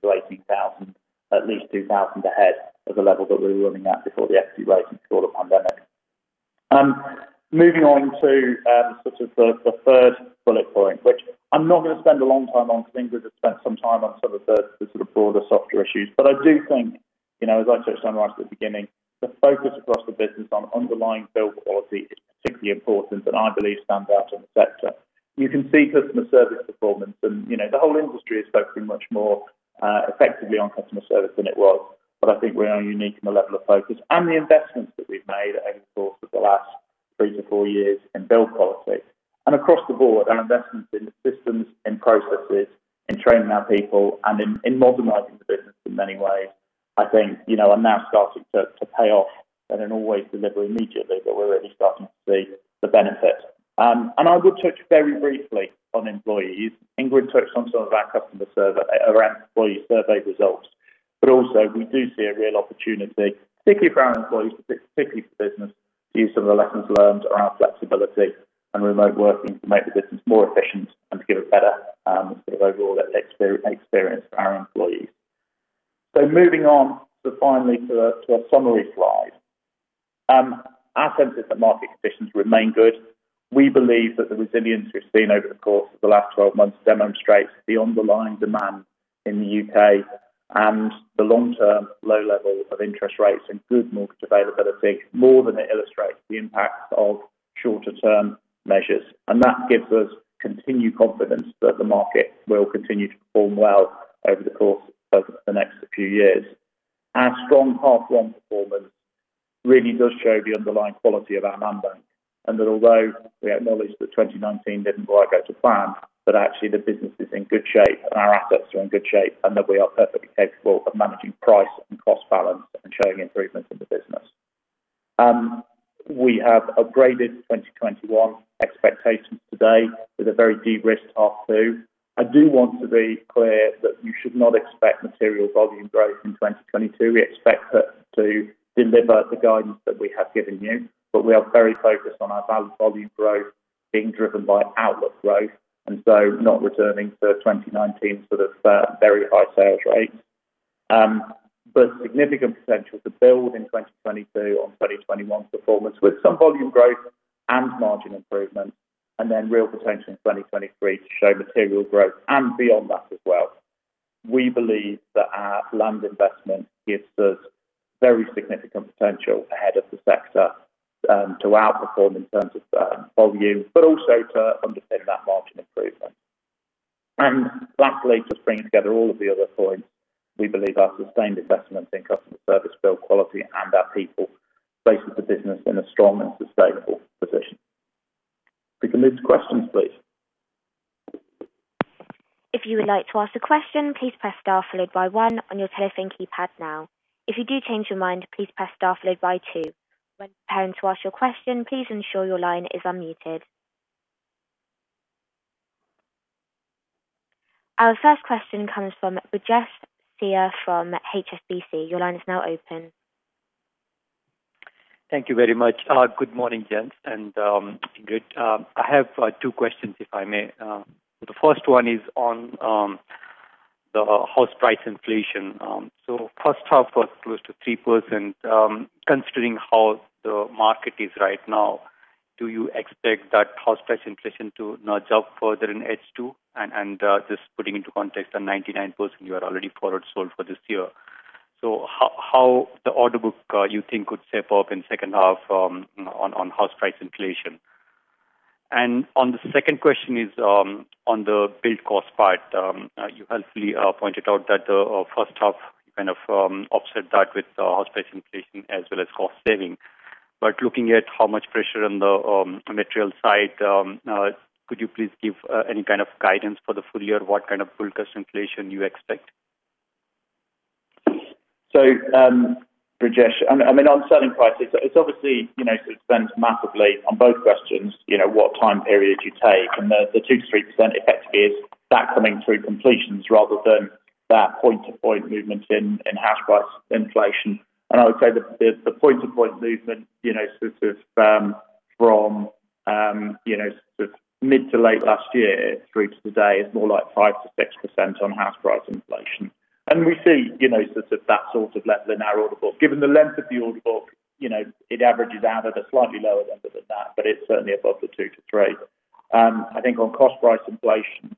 17,000-18,000, at least 2,000 ahead of the level that we were running at before the equity raise and before the pandemic. Moving on to the third bullet point, which I'm not going to spend a long time on because Ingrid has spent some time on the broader softer issues. I do think, as I touched on right at the beginning, the focus across the business on underlying build quality is particularly important and I believe stands out in the sector. You can see customer service performance and the whole industry is focusing much more effectively on customer service than it was. I think we are unique in the level of focus and the investments that we've made over the course of the last three to four years in build quality. Across the board, our investments in systems and processes, in training our people, and in modernizing the business in many ways, I think are now starting to pay off. They don't always deliver immediately, but we're really starting to see the benefit. I will touch very briefly on employees. Ingrid touched on some of our employee survey results. Also we do see a real opportunity, particularly for our employees, but particularly for the business, to use some of the lessons learned around flexibility and remote working to make the business more efficient and to give a better overall experience for our employees. Moving on finally to our summary slide. Our sense is that market conditions remain good. We believe that the resilience we've seen over the course of the last 12 months demonstrates the underlying demand in the U.K. and the long-term low level of interest rates and good mortgage availability more than it illustrates the impacts of shorter-term measures. That gives us continued confidence that the market will continue to perform well over the course of the next few years. Our strong H1 performance really does show the underlying quality of our landbank, and that although we acknowledge that 2019 didn't quite go to plan, but actually the business is in good shape and our assets are in good shape, and that we are perfectly capable of managing price and cost balance and showing improvements in the business. We have upgraded 2021 expectations today with a very de-risked H2. I do want to be clear that you should not expect material volume growth in 2022. We expect to deliver the guidance that we have given you, but we are very focused on our volume growth being driven by outlook growth, and so not returning to 2019 very high sales rates. Significant potential to build in 2022 on 2021 performance with some volume growth and margin improvement, then real potential in 2023 to show material growth and beyond that as well. We believe that our land investment gives us very significant potential ahead of the sector to outperform in terms of volume, but also to underpin that margin improvement. Lastly, just bringing together all of the other points, we believe our sustained investment in customer service, build quality, and our people places the business in a strong and sustainable position. We can move to questions, please. If you would like to ask a question, please press star followed by one on your telephone keypad now. If you do change your mind, please press star followed by two. If you want to ask your question, please ensure your line is unmuted.. Our first question comes from Brijesh Siya from HSBC. Your line is now open. Thank you very much. Good morning, gents and Ingrid. I have two questions, if I may. The first one is on the house price inflation. First half was close to 3%. Considering how the market is right now, do you expect that house price inflation to nudge up further in H2? Just putting into context the 99% you have already forward sold for this year. How the order book you think could shape up in second half on house price inflation? The second question is on the build cost part. You helpfully pointed out that the first half, you kind of offset that with house price inflation as well as cost saving. Looking at how much pressure on the material side, could you please give any kind of guidance for the full year? What kind of build cost inflation you expect? Brijesh, on selling prices, it obviously depends massively on both questions, what time period you take, and the 2%-3% effect is that coming through completions rather than that point-to-point movement in house price inflation. I would say that the point-to-point movement from mid to late last year through to today is more like 5%-6% on house price inflation. We see that sort of length in our order book. Given the length of the order book, it averages out at a slightly lower number than that, but it's certainly above the 2%-3%. I think on cost price inflation,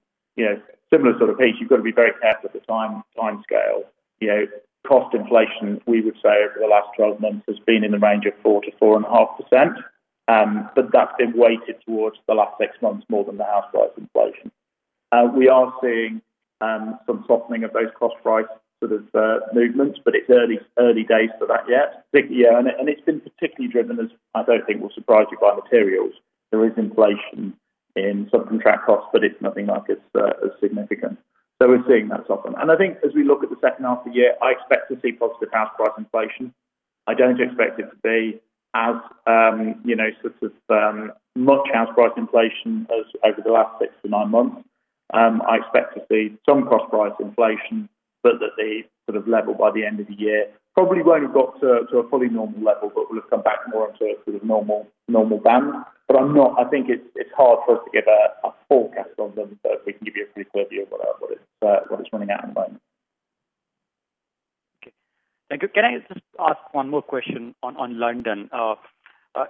similar sort of pace. You've got to be very careful of the timescale. Cost inflation, we would say, over the last 12 months has been in the range of 4%-4.5%, but that's been weighted towards the last six months more than the house price inflation. We are seeing some softening of those cost price movements, but it's early days for that yet. It's been particularly driven as, I don't think will surprise you, by materials. There is inflation in sub-contract costs, but it's nothing like as significant. We're seeing that soften. I think as we look at the second half of the year, I expect to see positive house price inflation. I don't expect it to be as much house price inflation as over the last six to nine months. I expect to see some cost price inflation, but at a level by the end of the year. Probably won't have got to a fully normal level, but we'll have come back more into a normal band. I think it's hard for us to give a forecast on them, but we can give you a pretty clear view of what is running at the moment. Okay. Thank you. Can I just ask one more question on London?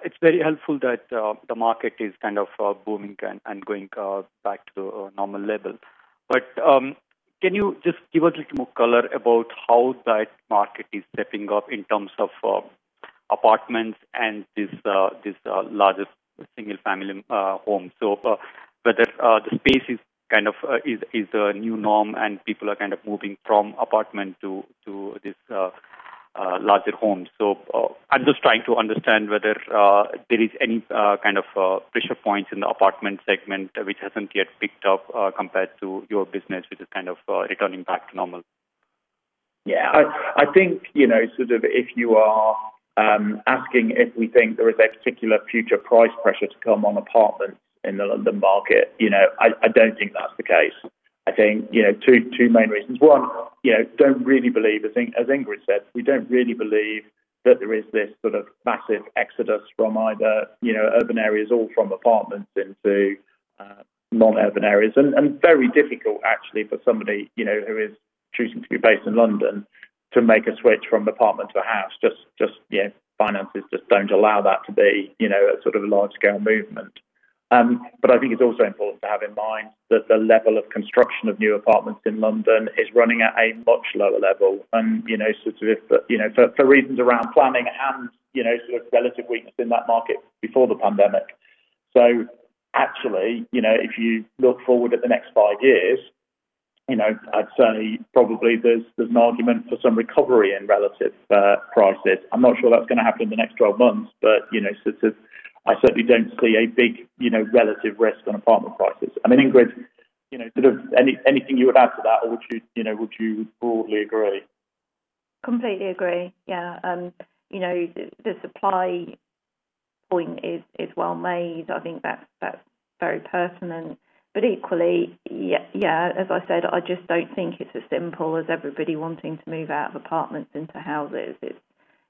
It's very helpful that the market is kind of booming and going back to a normal level. Can you just give a little more color about how that market is stepping up in terms of apartments and these larger single family homes? Whether the space is a new norm and people are kind of moving from apartment to these larger homes. I'm just trying to understand whether there is any kind of pressure points in the apartment segment which hasn't yet picked up compared to your business, which is kind of returning back to normal. I think if you are asking if we think there is a particular future price pressure to come on apartments in the London market, I don't think that's the case. I think two main reasons. One, as Ingrid said, we don't really believe that there is this sort of massive exodus from either urban areas or from apartments into non-urban areas. Very difficult actually for somebody who is choosing to be based in London to make a switch from apartment to a house. Finances just don't allow that to be a large scale movement. I think it's also important to have in mind that the level of construction of new apartments in London is running at a much lower level and for reasons around planning and relative weakness in that market before the pandemic. Actually, if you look forward at the next five years, I'd say probably there's an argument for some recovery in relative prices. I'm not sure that's going to happen in the next 12 months, but I certainly don't see a big relative risk on apartment prices. I mean, Ingrid, anything you would add to that or would you broadly agree? Completely agree. Yeah. The supply point is well made. I think that's very pertinent. Equally, yeah, as I said, I just don't think it's as simple as everybody wanting to move out of apartments into houses.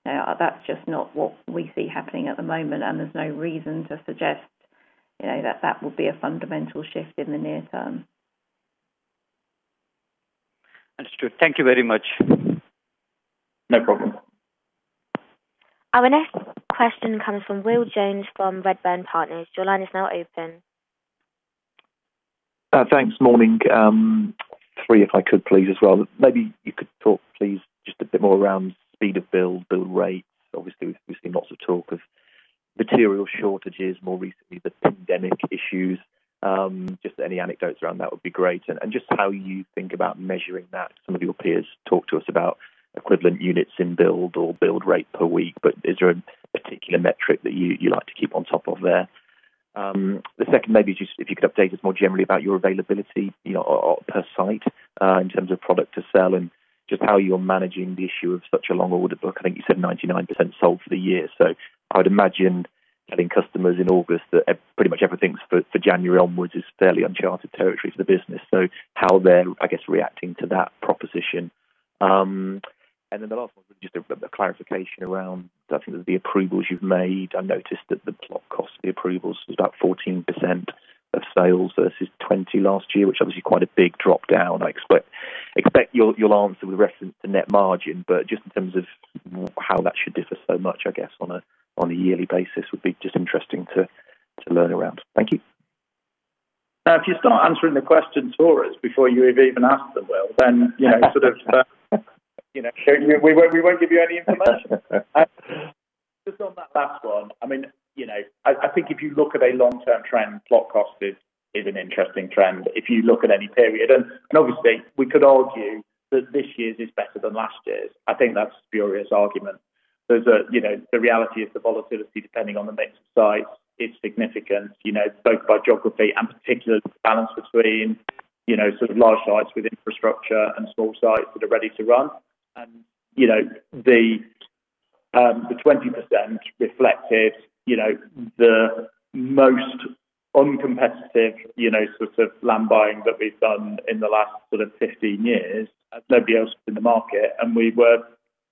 That's just not what we see happening at the moment, and there's no reason to suggest that that will be a fundamental shift in the near-term. Understood. Thank you very much. No problem. Our next question comes from Will Jones from Redburn Partners. Thanks. Morning. Three, if I could please as well. Maybe you could talk please just a bit more around speed of build rates. Obviously, we've seen lots of talk of material shortages, more recently the pandemic issues. Just any anecdotes around that would be great, and just how you think about measuring that. Some of your peers talk to us about equivalent units in build or build rate per week, but is there a particular metric that you like to keep on top of there? The second maybe is just if you could update us more generally about your availability per site in terms of product to sell and just how you're managing the issue of such a long order book. I think you said 99% sold for the year. I would imagine getting customers in August that pretty much everything for January onwards is fairly uncharted territory for the business. How they're, I guess, reacting to that proposition. The last one, just a clarification around, I think it was the approvals you've made. I noticed that the plot cost, the approvals was about 14% of sales versus 20% last year, which obviously quite a big drop down. I expect you'll answer with reference to net margin, but just in terms of how that should differ so much, I guess, on a yearly basis would be just interesting to learn around. Thank you. If you start answering the questions for us before you have even asked them, Will, we won't give you any information. Just on that last one, I think if you look at a long-term trend, plot cost is an interesting trend. If you look at any period, obviously we could argue that this year's is better than last year's. I think that's a spurious argument. The reality is the volatility depending on the mix of sites, its significance, both by geography and particular balance between large sites with infrastructure and small sites that are ready to run. The 20% reflected the most uncompetitive sort of land buying that we've done in the last sort of 15 years as nobody else was in the market, and we were.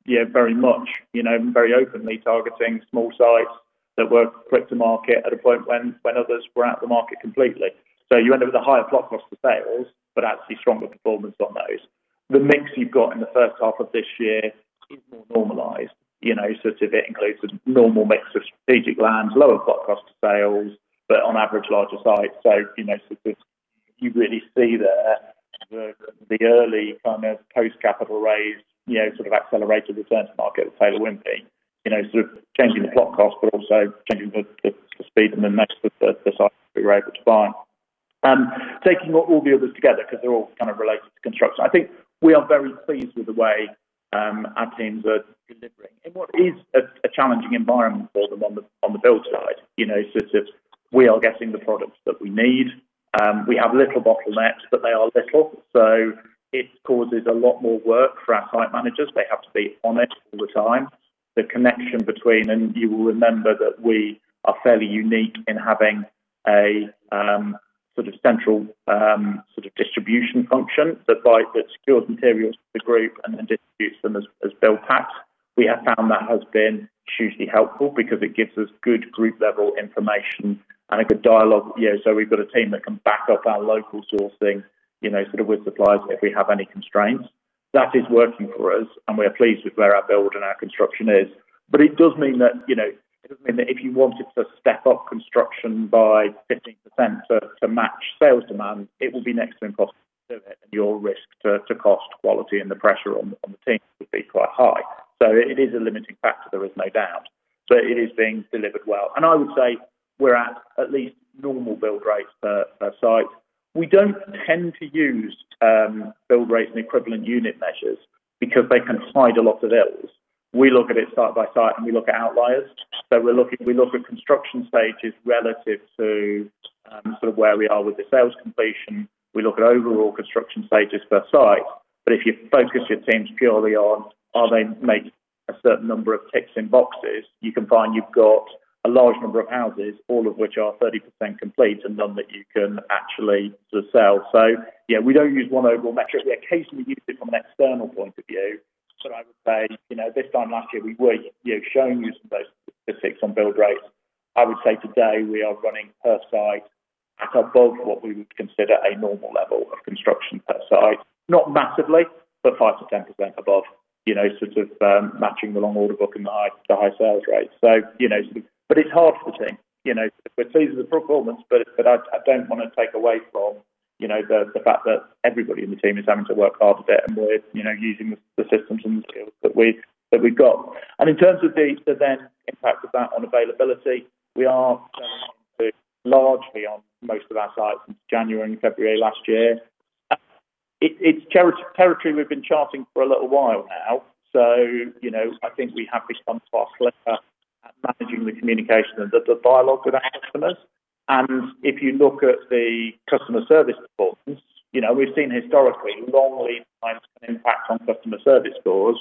Yeah, very much. Very openly targeting small sites that were quick to market at a point when others were out the market completely. You end up with a higher plot cost to sales, but actually stronger performance on those. The mix you've got in the first half of this year is more normalized. It includes a normal mix of strategic lands, lower plot cost to sales, but on average, larger sites. You really see there the early post-capital raise, sort of accelerated return to market with Taylor Wimpey. Sort of changing the plot cost, but also changing the speed and the mix of the sites that we were able to buy. Taking all the others together, because they're all kind of related to construction, I think we are very pleased with the way our teams are delivering in what is a challenging environment for them on the build side. We are getting the products that we need. We have little bottlenecks, but they are little, so it causes a lot more work for our site managers. They have to be on it all the time. You will remember that we are fairly unique in having a central distribution function that secures materials to the group and then distributes them as build packs. We have found that has been hugely helpful because it gives us good group-level information and a good dialogue. We've got a team that can back up our local sourcing with suppliers if we have any constraints. That is working for us, and we are pleased with where our build and our construction is. It does mean that if you wanted to step up construction by 15% to match sales demand, it will be next to impossible to do it, and your risk to cost quality and the pressure on the team would be quite high. It is a limiting factor, there is no doubt. It is being delivered well. I would say we're at least normal build rates per site. We don't tend to use build rates and equivalent unit measures because they can hide a lot of ills. We look at it site by site, and we look at outliers. We look at construction stages relative to where we are with the sales completion. We look at overall construction stages per site. If you focus your teams purely on, are they making a certain number of ticks in boxes, you can find you've got a large number of houses, all of which are 30% complete and none that you can actually sell. Yeah, we don't use one overall metric. We occasionally use it from an external point of view. I would say, this time last year, we were showing you some of those statistics on build rates. I would say today we are running per site above what we would consider a normal level of construction per site. Not massively, but 5%-10% above, matching the long order book and the high sales rates. It's hard for the team. We're pleased with the performance, but I don't want to take away from the fact that everybody in the team is having to work harder, and we're using the systems and the skills that we've got. In terms of the impact of that on availability, we are going on to largely on most of our sites since January and February last year. It's territory we've been charting for a little while now. I think we have responded far clearer at managing the communication and the dialogue with our customers. If you look at the customer service performance, we've seen historically, long lead times can impact on customer service scores.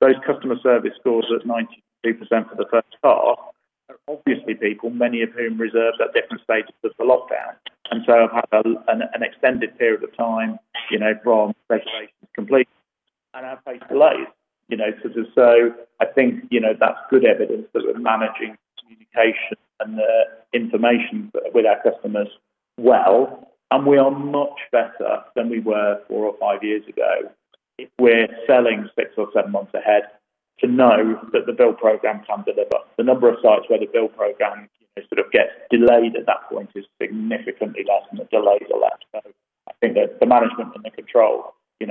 Those customer service scores at 92% for the first half are obviously people, many of whom reserved at different stages of the lockdown, and so have had an extended period of time from reservation to completion and have faced delays. I think that's good evidence that we're managing communication and the information with our customers well, and we are much better than we were four or five years ago. If we're selling six or seven months ahead to know that the build program can deliver. The number of sites where the build program gets delayed at that point is significantly less than the delays are left. I think that the management and the control and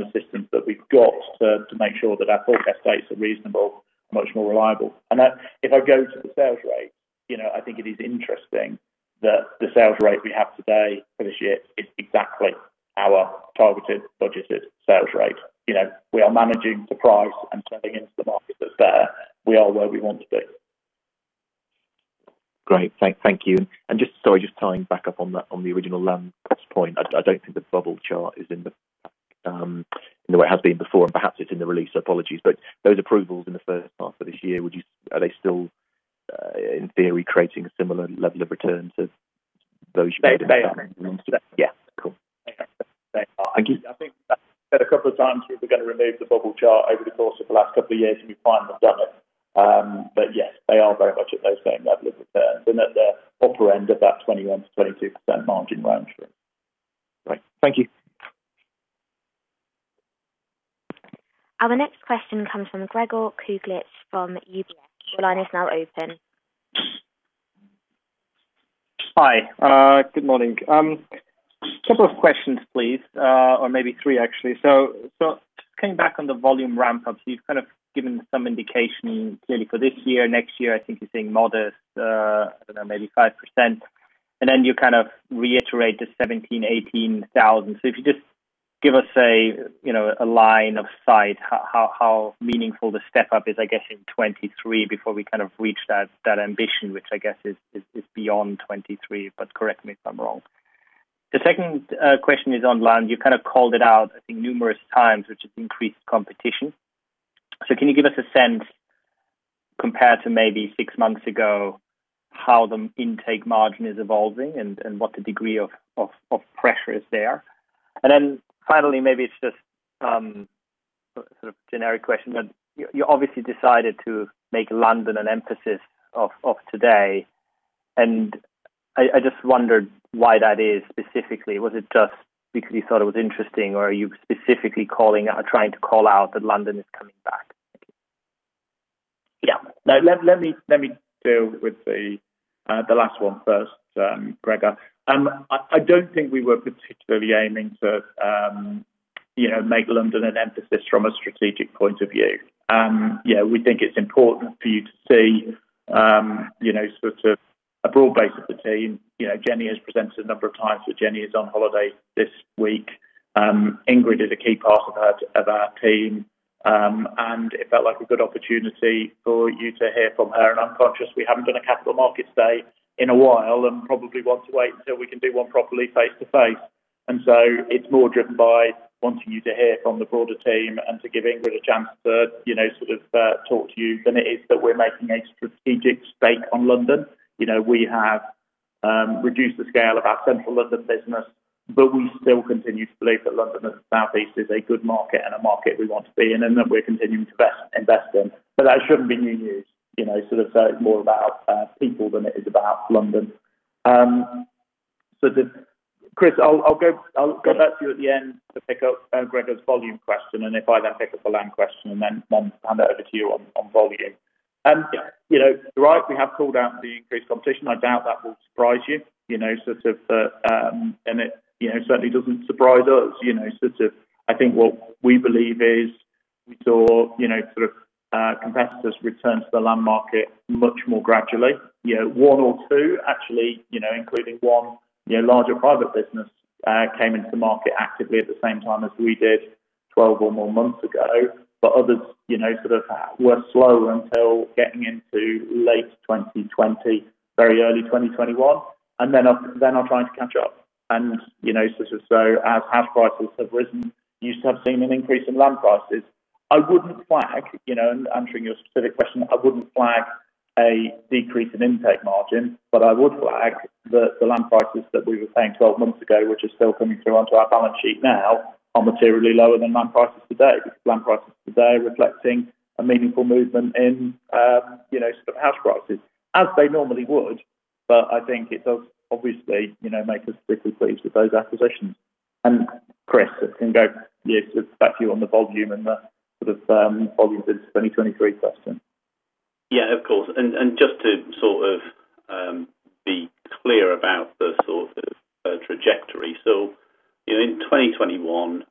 the systems that we've got to make sure that our forecast dates are reasonable, are much more reliable. If I go to the sales rate, I think it is interesting that the sales rate we have today for this year is exactly our targeted, budgeted sales rate. We are managing to price and selling into the market that's there. We are where we want to be. Great. Thank you. Sorry, just tying back up on the original land cost point. I don't think the bubble chart is in the way it has been before, and perhaps it's in the release, so apologies. Those approvals in the first half of this year, are they still, in theory, creating a similar level of return to those you made in the past? They are. Yeah. Cool. They are. I think I said a couple of times we were going to remove the bubble chart over the course of the last couple of years. We finally have done it. Yes, they are very much at those same level of returns and at the upper end of that 21%-22% margin range. Great. Thank you. Our next question comes from Gregor Kuglitsch from UBS. Your line is now open. Hi. Good morning. Couple of questions, please, or maybe three, actually. Just coming back on the volume ramp up. You've kind of given some indication clearly for this year, next year, I think you're saying modest, I don't know, maybe 5%, and then you kind of reiterate the 17,000, 18,000. If you just give us a line of sight how meaningful the step-up is, I guess, in 2023 before we kind of reach that ambition, which I guess is beyond 2023, but correct me if I'm wrong. The second question is on land. You kind of called it out, I think numerous times, which is increased competition. Can you give us a sense compared to maybe six months ago, how the intake margin is evolving and what the degree of pressure is there. Finally, maybe it's just a generic question, but you obviously decided to make London an emphasis of today, and I just wondered why that is specifically. Was it just because you thought it was interesting, or are you specifically trying to call out that London is coming back? No, let me deal with the last one first, Gregor. I don't think we were particularly aiming to make London an emphasis from a strategic point of view. We think it's important for you to see a broad base of the team. Jennie has presented a number of times, but Jennie is on holiday this week. Ingrid is a key part of our team, and it felt like a good opportunity for you to hear from her. I'm conscious we haven't done a capital market day in a while and probably want to wait until we can do one properly face-to-face. So it's more driven by wanting you to hear from the broader team and to give Ingrid a chance to talk to you than it is that we're making a strategic stake on London. We have reduced the scale of our central London business, we still continue to believe that London and the South East is a good market and a market we want to be in and that we're continuing to invest in. That shouldn't be new news. It's more about people than it is about London. Chris, I'll go back to you at the end to pick up Gregor's volume question, and if I then pick up the land question and then hand it over to you on volume. You're right, we have called out the increased competition. I doubt that will surprise you, and it certainly doesn't surprise us. I think what we believe is we saw competitors return to the land market much more gradually. One or two actually, including one larger private business, came into the market actively at the same time as we did 12 or more months ago. Others were slower until getting into late 2020, very early 2021 and then are trying to catch up. As house prices have risen, you have seen an increase in land prices. Answering your specific question, I wouldn't flag a decrease in intake margin, but I would flag that the land prices that we were paying 12 months ago, which are still coming through onto our balance sheet now, are materially lower than land prices today, with land prices today reflecting a meaningful movement in house prices as they normally would. I think it does obviously make us particularly pleased with those acquisitions. Chris, I can go back to you on the volume and the volumes in the 2023 question. Yeah, of course. Just to be clear about the trajectory. In 2021,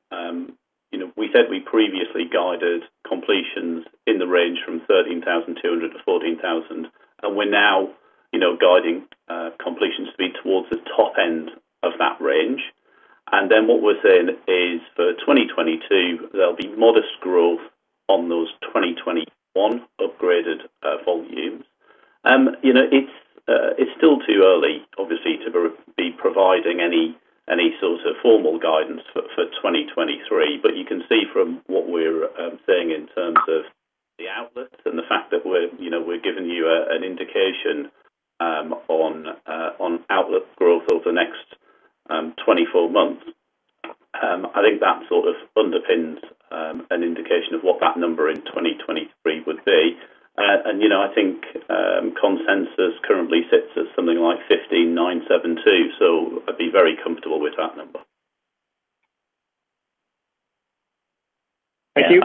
we said we previously guided completions in the range from 13,200-14,000, and we are now guiding completions to be towards the top end of that range. What we are saying is for 2022, there will be modest growth on those 2021 upgraded volumes. It is still too early, obviously, to be providing any sort of formal guidance for 2023. You can see from what we are saying in terms of the outlook and the fact that we are giving you an indication on outlook growth over the next 24 months. I think that underpins an indication of what that number in 2023 would be. I think consensus currently sits at something like 15,972, so I would be very comfortable with that number. Thank you.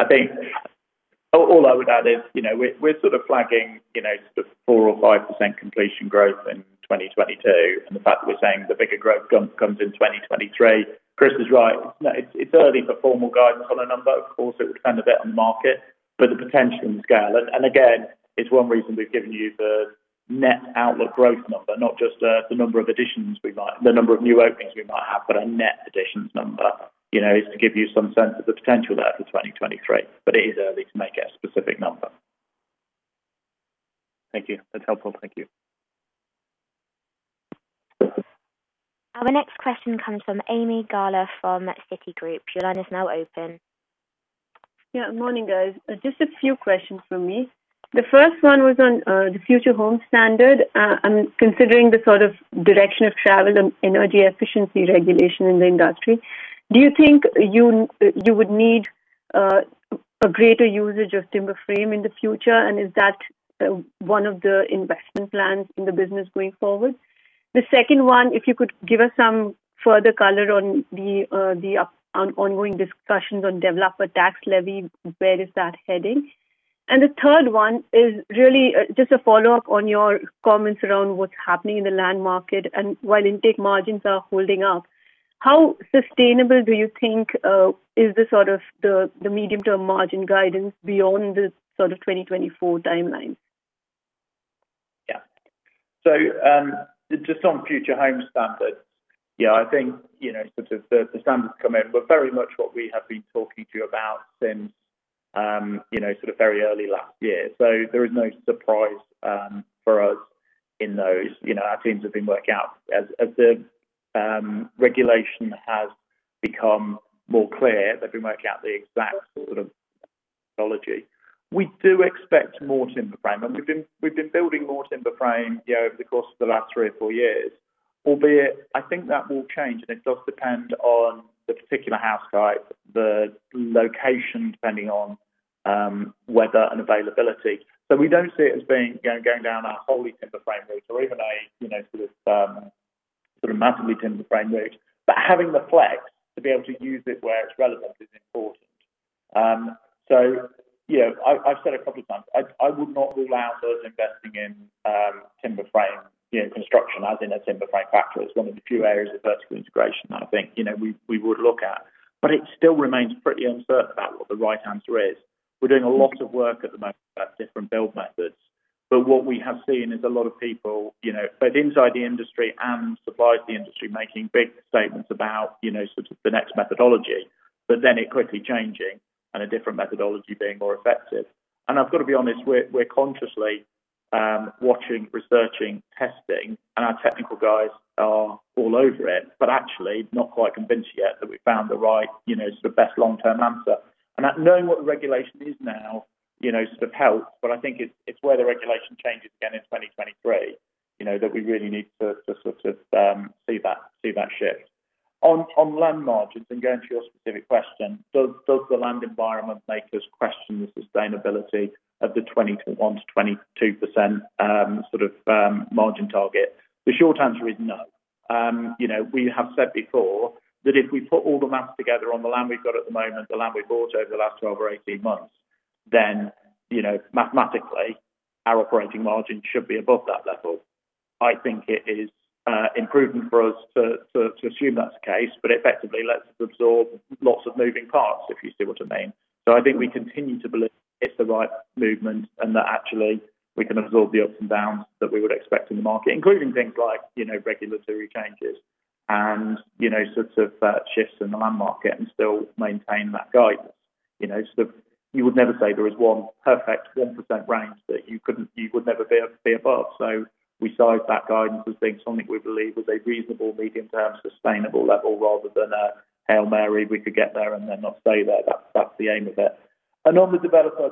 All I would add is we're flagging 4% or 5% completion growth in 2022, and the fact that we're saying the bigger growth comes in 2023. Chris is right. It's early for formal guidance on a number. Of course, it would depend a bit on the market, but the potential and scale. Again, it's one reason we've given you the net outlook growth number, not just the number of new openings we might have, but a net additions number is to give you some sense of the potential there for 2023. It is early to make a specific number. Thank you. That's helpful. Thank you. Our next question comes from Ami Galla from Citigroup. Your line is now open. Yeah. Morning, guys. Just a few questions from me. The first one was on the Future Homes Standard. Considering the direction of travel and energy efficiency regulation in the industry, do you think you would need a greater usage of timber frame in the future? Is that one of the investment plans in the business going forward? The second one, if you could give us some further color on the ongoing discussions on developer tax levy, where is that heading? The third one is really just a follow-up on your comments around what's happening in the land market and while intake margins are holding up, how sustainable do you think is the medium-term margin guidance beyond this 2024 timeline? Yeah. Just on Future Homes Standard. I think the standards come in, but very much what we have been talking to you about since very early last year. There is no surprise for us in those, our teams have been working out as the regulation has become more clear, they've been working out the exact sort of methodology. We do expect more timber frame, and we've been building more timber frame over the course of the last three or four years. Albeit, I think that will change, and it does depend on the particular house type, the location, depending on weather and availability. We don't see it as going down a wholly timber frame route or even a massively timber frame route. Having the flex to be able to use it where it's relevant is important. I've said a couple of times, I would not rule out us investing in timber frame construction as in a timber frame factory. It's one of the few areas of vertical integration that I think we would look at. It still remains pretty uncertain about what the right answer is. We're doing a lot of work at the moment about different build methods, but what we have seen is a lot of people both inside the industry and suppliers to the industry making big statements about the next methodology, but then it quickly changing and a different methodology being more effective. I've got to be honest, we're consciously watching, researching, testing, and our technical guys are all over it, but actually not quite convinced yet that we've found the best long-term answer. That knowing what the regulation is now sort of helps, but I think it's where the regulation changes again in 2023, that we really need to see that shift. On land margins and going to your specific question, does the land environment make us question the sustainability of the 21%-22% sort of margin target? The short answer is no. We have said before that if we put all the maths together on the land we've got at the moment, the land we've bought over the last 12 or 18 months, then mathematically, our operating margin should be above that level. I think it is imprudent for us to assume that's the case, but effectively lets us absorb lots of moving parts, if you see what I mean. I think we continue to believe it's the right movement and that actually we can absorb the ups and downs that we would expect in the market, including things like regulatory changes and shifts in the land market and still maintain that guidance. You would never say there is one perfect 1% range that you would never be able to be above. We size that guidance as being something we believe was a reasonable medium-term sustainable level rather than a Hail Mary, we could get there and then not stay there. That's the aim of it. On the developer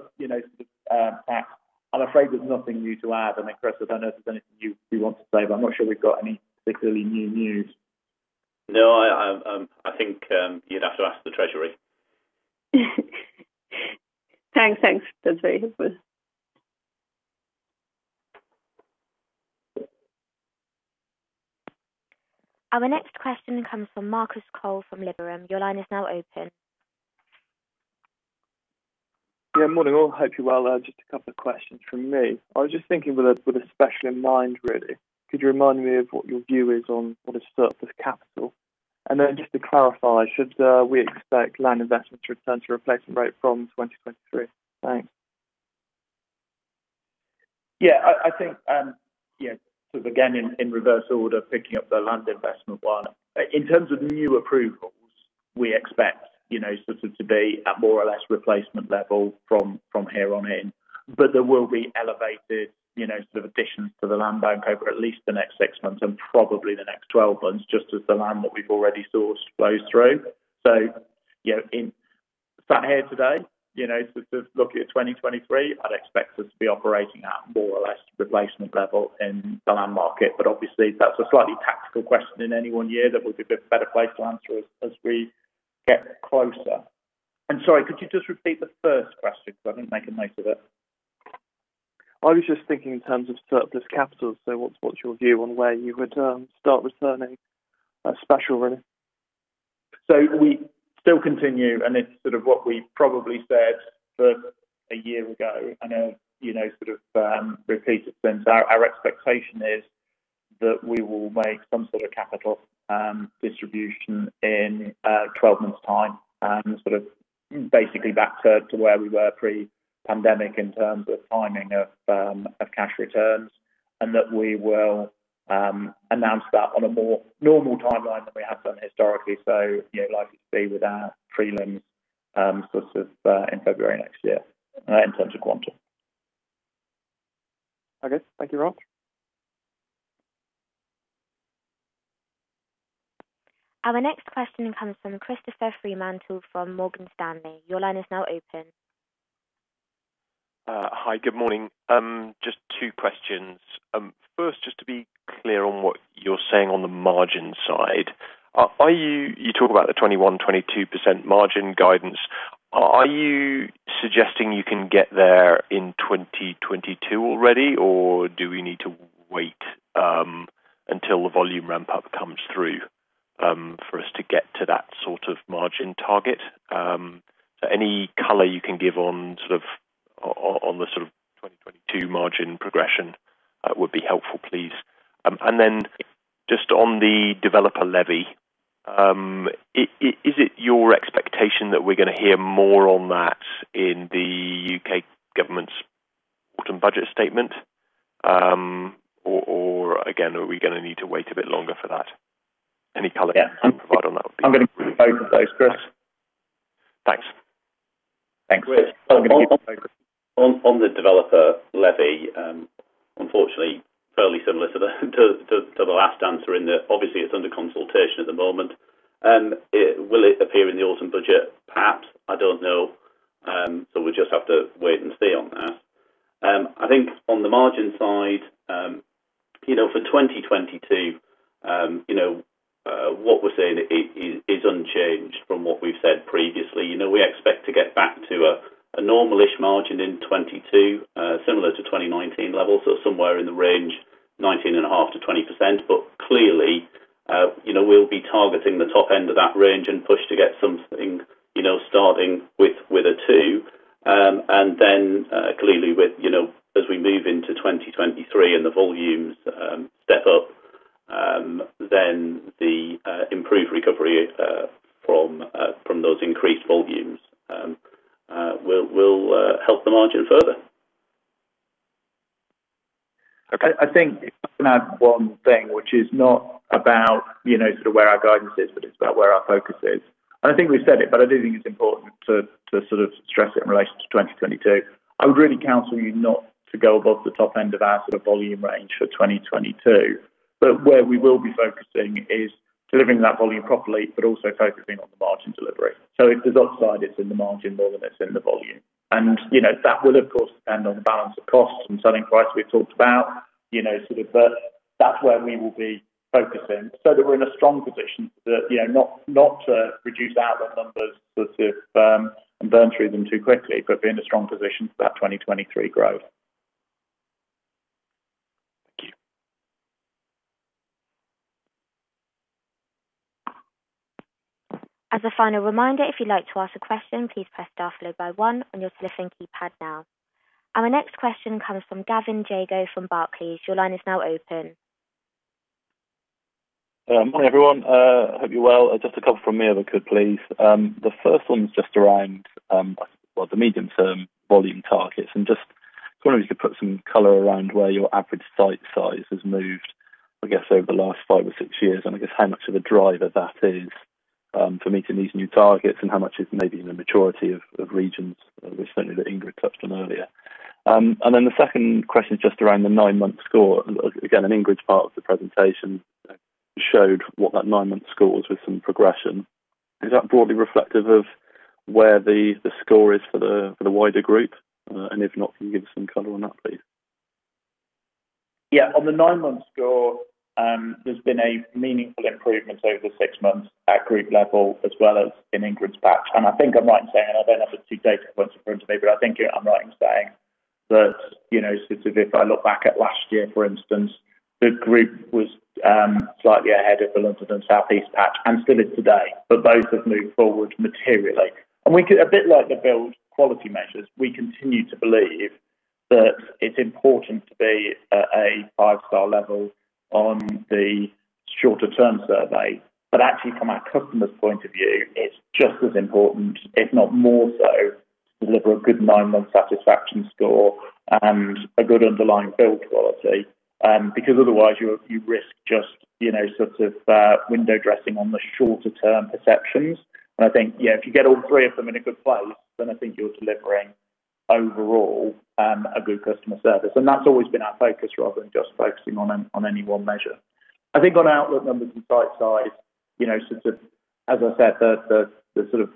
tax, I'm afraid there's nothing new to add. Chris, I don't know if there's anything you want to say, but I'm not sure we've got any particularly new news. No, I think you'd have to ask the Treasury. Thanks. That's very helpful. Our next question comes from Marcus Cole from Liberum. Your line is now open. Yeah, morning all. Hope you're well. Just a couple of questions from me. I was just thinking with a special in mind, really. Could you remind me of what your view is on surplus capital? Then just to clarify, should we expect land investments to return to replacement rate from 2023? Thanks. I think again, in reverse order, picking up the land investment one. In terms of new approvals, we expect to be at more or less replacement level from here on in. There will be elevated additions to the land bank over at least the next six months and probably the next 12 months, just as the land that we've already sourced flows through. Sat here today, looking at 2023, I'd expect us to be operating at more or less replacement level in the land market. Obviously, that's a slightly tactical question in any one year that we'll be a bit better placed to answer as we get closer. Sorry, could you just repeat the first question? I was just thinking in terms of surplus capital. What's your view on where you would start returning a special, really? We still continue, and it's sort of what we probably said a year ago and have repeated since. Our expectation is that we will make some sort of capital distribution in 12 months' time, and sort of basically back to where we were pre-pandemic in terms of timing of cash returns. That we will announce that on a more normal timeline than we have done historically. Likely to be with our prelims in February next year in terms of quantum. Okay. Thank you, Rob. Our next question comes from Christopher Fremantle from Morgan Stanley. Your line is now open. Hi. Good morning. Just two questions. First, just to be clear on what you're saying on the margin side. You talk about the 21%, 22% margin guidance. Are you suggesting you can get there in 2022 already, or do we need to wait until the volume ramp-up comes through for us to get to that sort of margin target? Any color you can give on the sort of 2022 margin progression would be helpful, please. Just on the developer levy. Is it your expectation that we're going to hear more on that in the U.K. government's Autumn Budget Statement? Again, are we going to need to wait a bit longer for that? Any color you can provide on that would be. I'm going to combine those, Chris. Thanks. On the developer levy, unfortunately, fairly similar to the last answer in that obviously it's under consultation at the moment. Will it appear in the autumn budget? Perhaps. I don't know. We'll just have to wait and see on that. I think on the margin side, for 2022, what we're saying is unchanged from what we've said previously. We expect to get back to a normal-ish margin in 2022, similar to 2019 levels, so somewhere in the range 19.5%-20%. Clearly we'll be targeting the top end of that range and push to get something starting with a two. Clearly as we move into 2023 and the volumes step up, then the improved recovery from those increased volumes will help the margin further. Okay. I think if I can add one thing, which is not about sort of where our guidance is, but it's about where our focus is. I think we've said it, but I do think it's important to sort of stress it in relation to 2022. I would really counsel you not to go above the top end of our sort of volume range for 2022. Where we will be focusing is delivering that volume properly, but also focusing on the margin delivery. If there's upside, it's in the margin more than it's in the volume. That will, of course, depend on the balance of costs and selling price we've talked about. That's where we will be focusing so that we're in a strong position to not to reduce outlet numbers sort of and burn through them too quickly, but be in a strong position for that 2023 growth. Thank you. As a final reminder, if you'd like to ask a question, please press star followed by one on your telephone keypad now. Our next question comes from Gavin Jago from Barclays. Your line is now open. Morning, everyone. Hope you're well. Just a couple from me if I could, please. The first one is just around, well, the medium-term volume targets. Just wondering if you could put some color around where your average site size has moved, I guess, over the last five or six years, and I guess how much of a driver that is for meeting these new targets and how much is maybe in the maturity of regions, certainly that Ingrid touched on earlier. Then the second question is just around the nine-month score. Again, in Ingrid's part of the presentation showed what that nine-month score was with some progression. Is that broadly reflective of where the score is for the wider group? If not, can you give some color on that, please? On the nine-month score, there's been a meaningful improvement over the six months at group level as well as in Ingrid's patch. I think I'm right in saying, I don't have the two data points in front of me, I think I'm right in saying that if I look back at last year, for instance, the group was slightly ahead of the London and the South East patch and still is today, both have moved forward materially. A bit like the build quality measures, we continue to believe that it's important to be at a 5-star level on the shorter-term survey. Actually from our customer's point of view, it's just as important, if not more so, to deliver a good nine-month satisfaction score and a good underlying build quality because otherwise you risk just sort of window dressing on the shorter-term perceptions. I think, yeah, if you get all three of them in a good place, then I think you're delivering overall a good customer service. That's always been our focus rather than just focusing on any one measure. I think on outlet numbers and site size, as I said, the sort of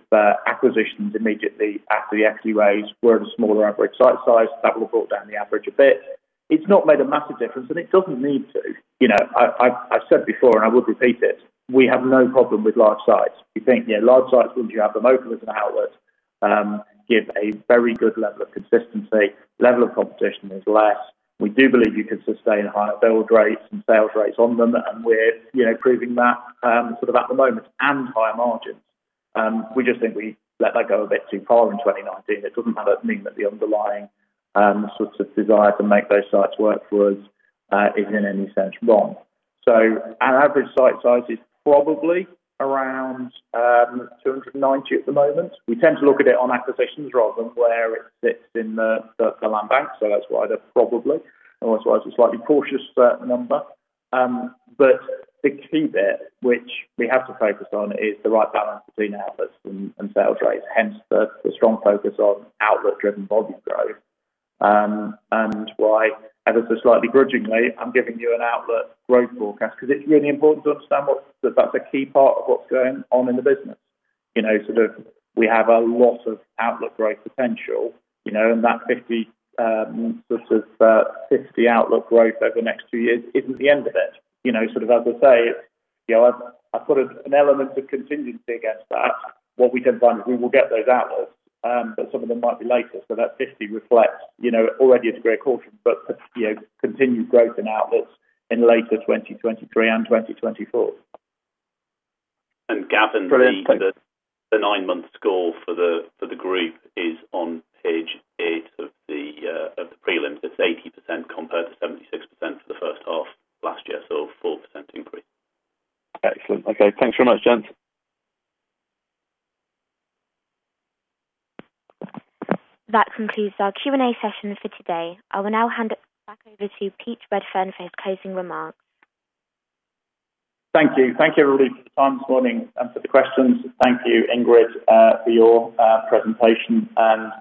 acquisitions immediately after the EXUAs were at a smaller average site size. That will have brought down the average a bit. It's not made a massive difference, and it doesn't need to. I've said before, and I would repeat it, we have no problem with large sites. We think, yeah, large sites, once you have them open as an outlet, give a very good level of consistency. Level of competition is less. We do believe you can sustain higher build rates and sales rates on them, and we're proving that sort of at the moment and higher margins. We just think we let that go a bit too far in 2019. It doesn't mean that the underlying sort of desire to make those sites work for us is in any sense wrong. Our average site size is probably around 290 at the moment. We tend to look at it on acquisitions rather than where it sits in the land bank, so that's why the probably, otherwise a slightly cautious number. The key bit which we have to focus on is the right balance between outlets and sales rates, hence the strong focus on outlet-driven volume growth. Why ever so slightly grudgingly, I'm giving you an outlet growth forecast because it's really important to understand that that's a key part of what's going on in the business. We have a lot of outlet growth potential and that 50 outlet growth over the next two years isn't the end of it. As I say, I've put an element of contingency against that. What we didn't find is we will get those outlets, but some of them might be later. That 50 reflects already a degree of caution, but continued growth in outlets in later 2023 and 2024. Gavin. Brilliant. Thanks. The nine-month score for the group is on page 8 of the prelims. It's 80% compared to 76% for the first half last year, so 4% increase. Excellent. Okay. Thanks very much, gents. That concludes our Q&A session for today. I will now hand it back over to Pete Redfern for his closing remarks. Thank you. Thank you, everybody, for your time this morning and for the questions. Thank you, Ingrid, for your presentation and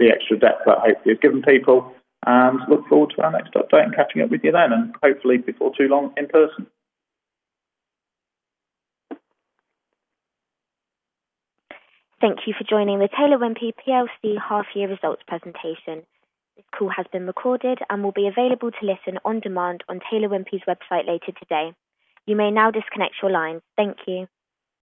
the extra depth that hopefully you've given people, and look forward to our next update and catching up with you then, and hopefully before too long in person. Thank you for joining the Taylor Wimpey plc half year results presentation. This call has been recorded and will be available to listen on demand on Taylor Wimpey's website later today. You may now disconnect your line. Thank you.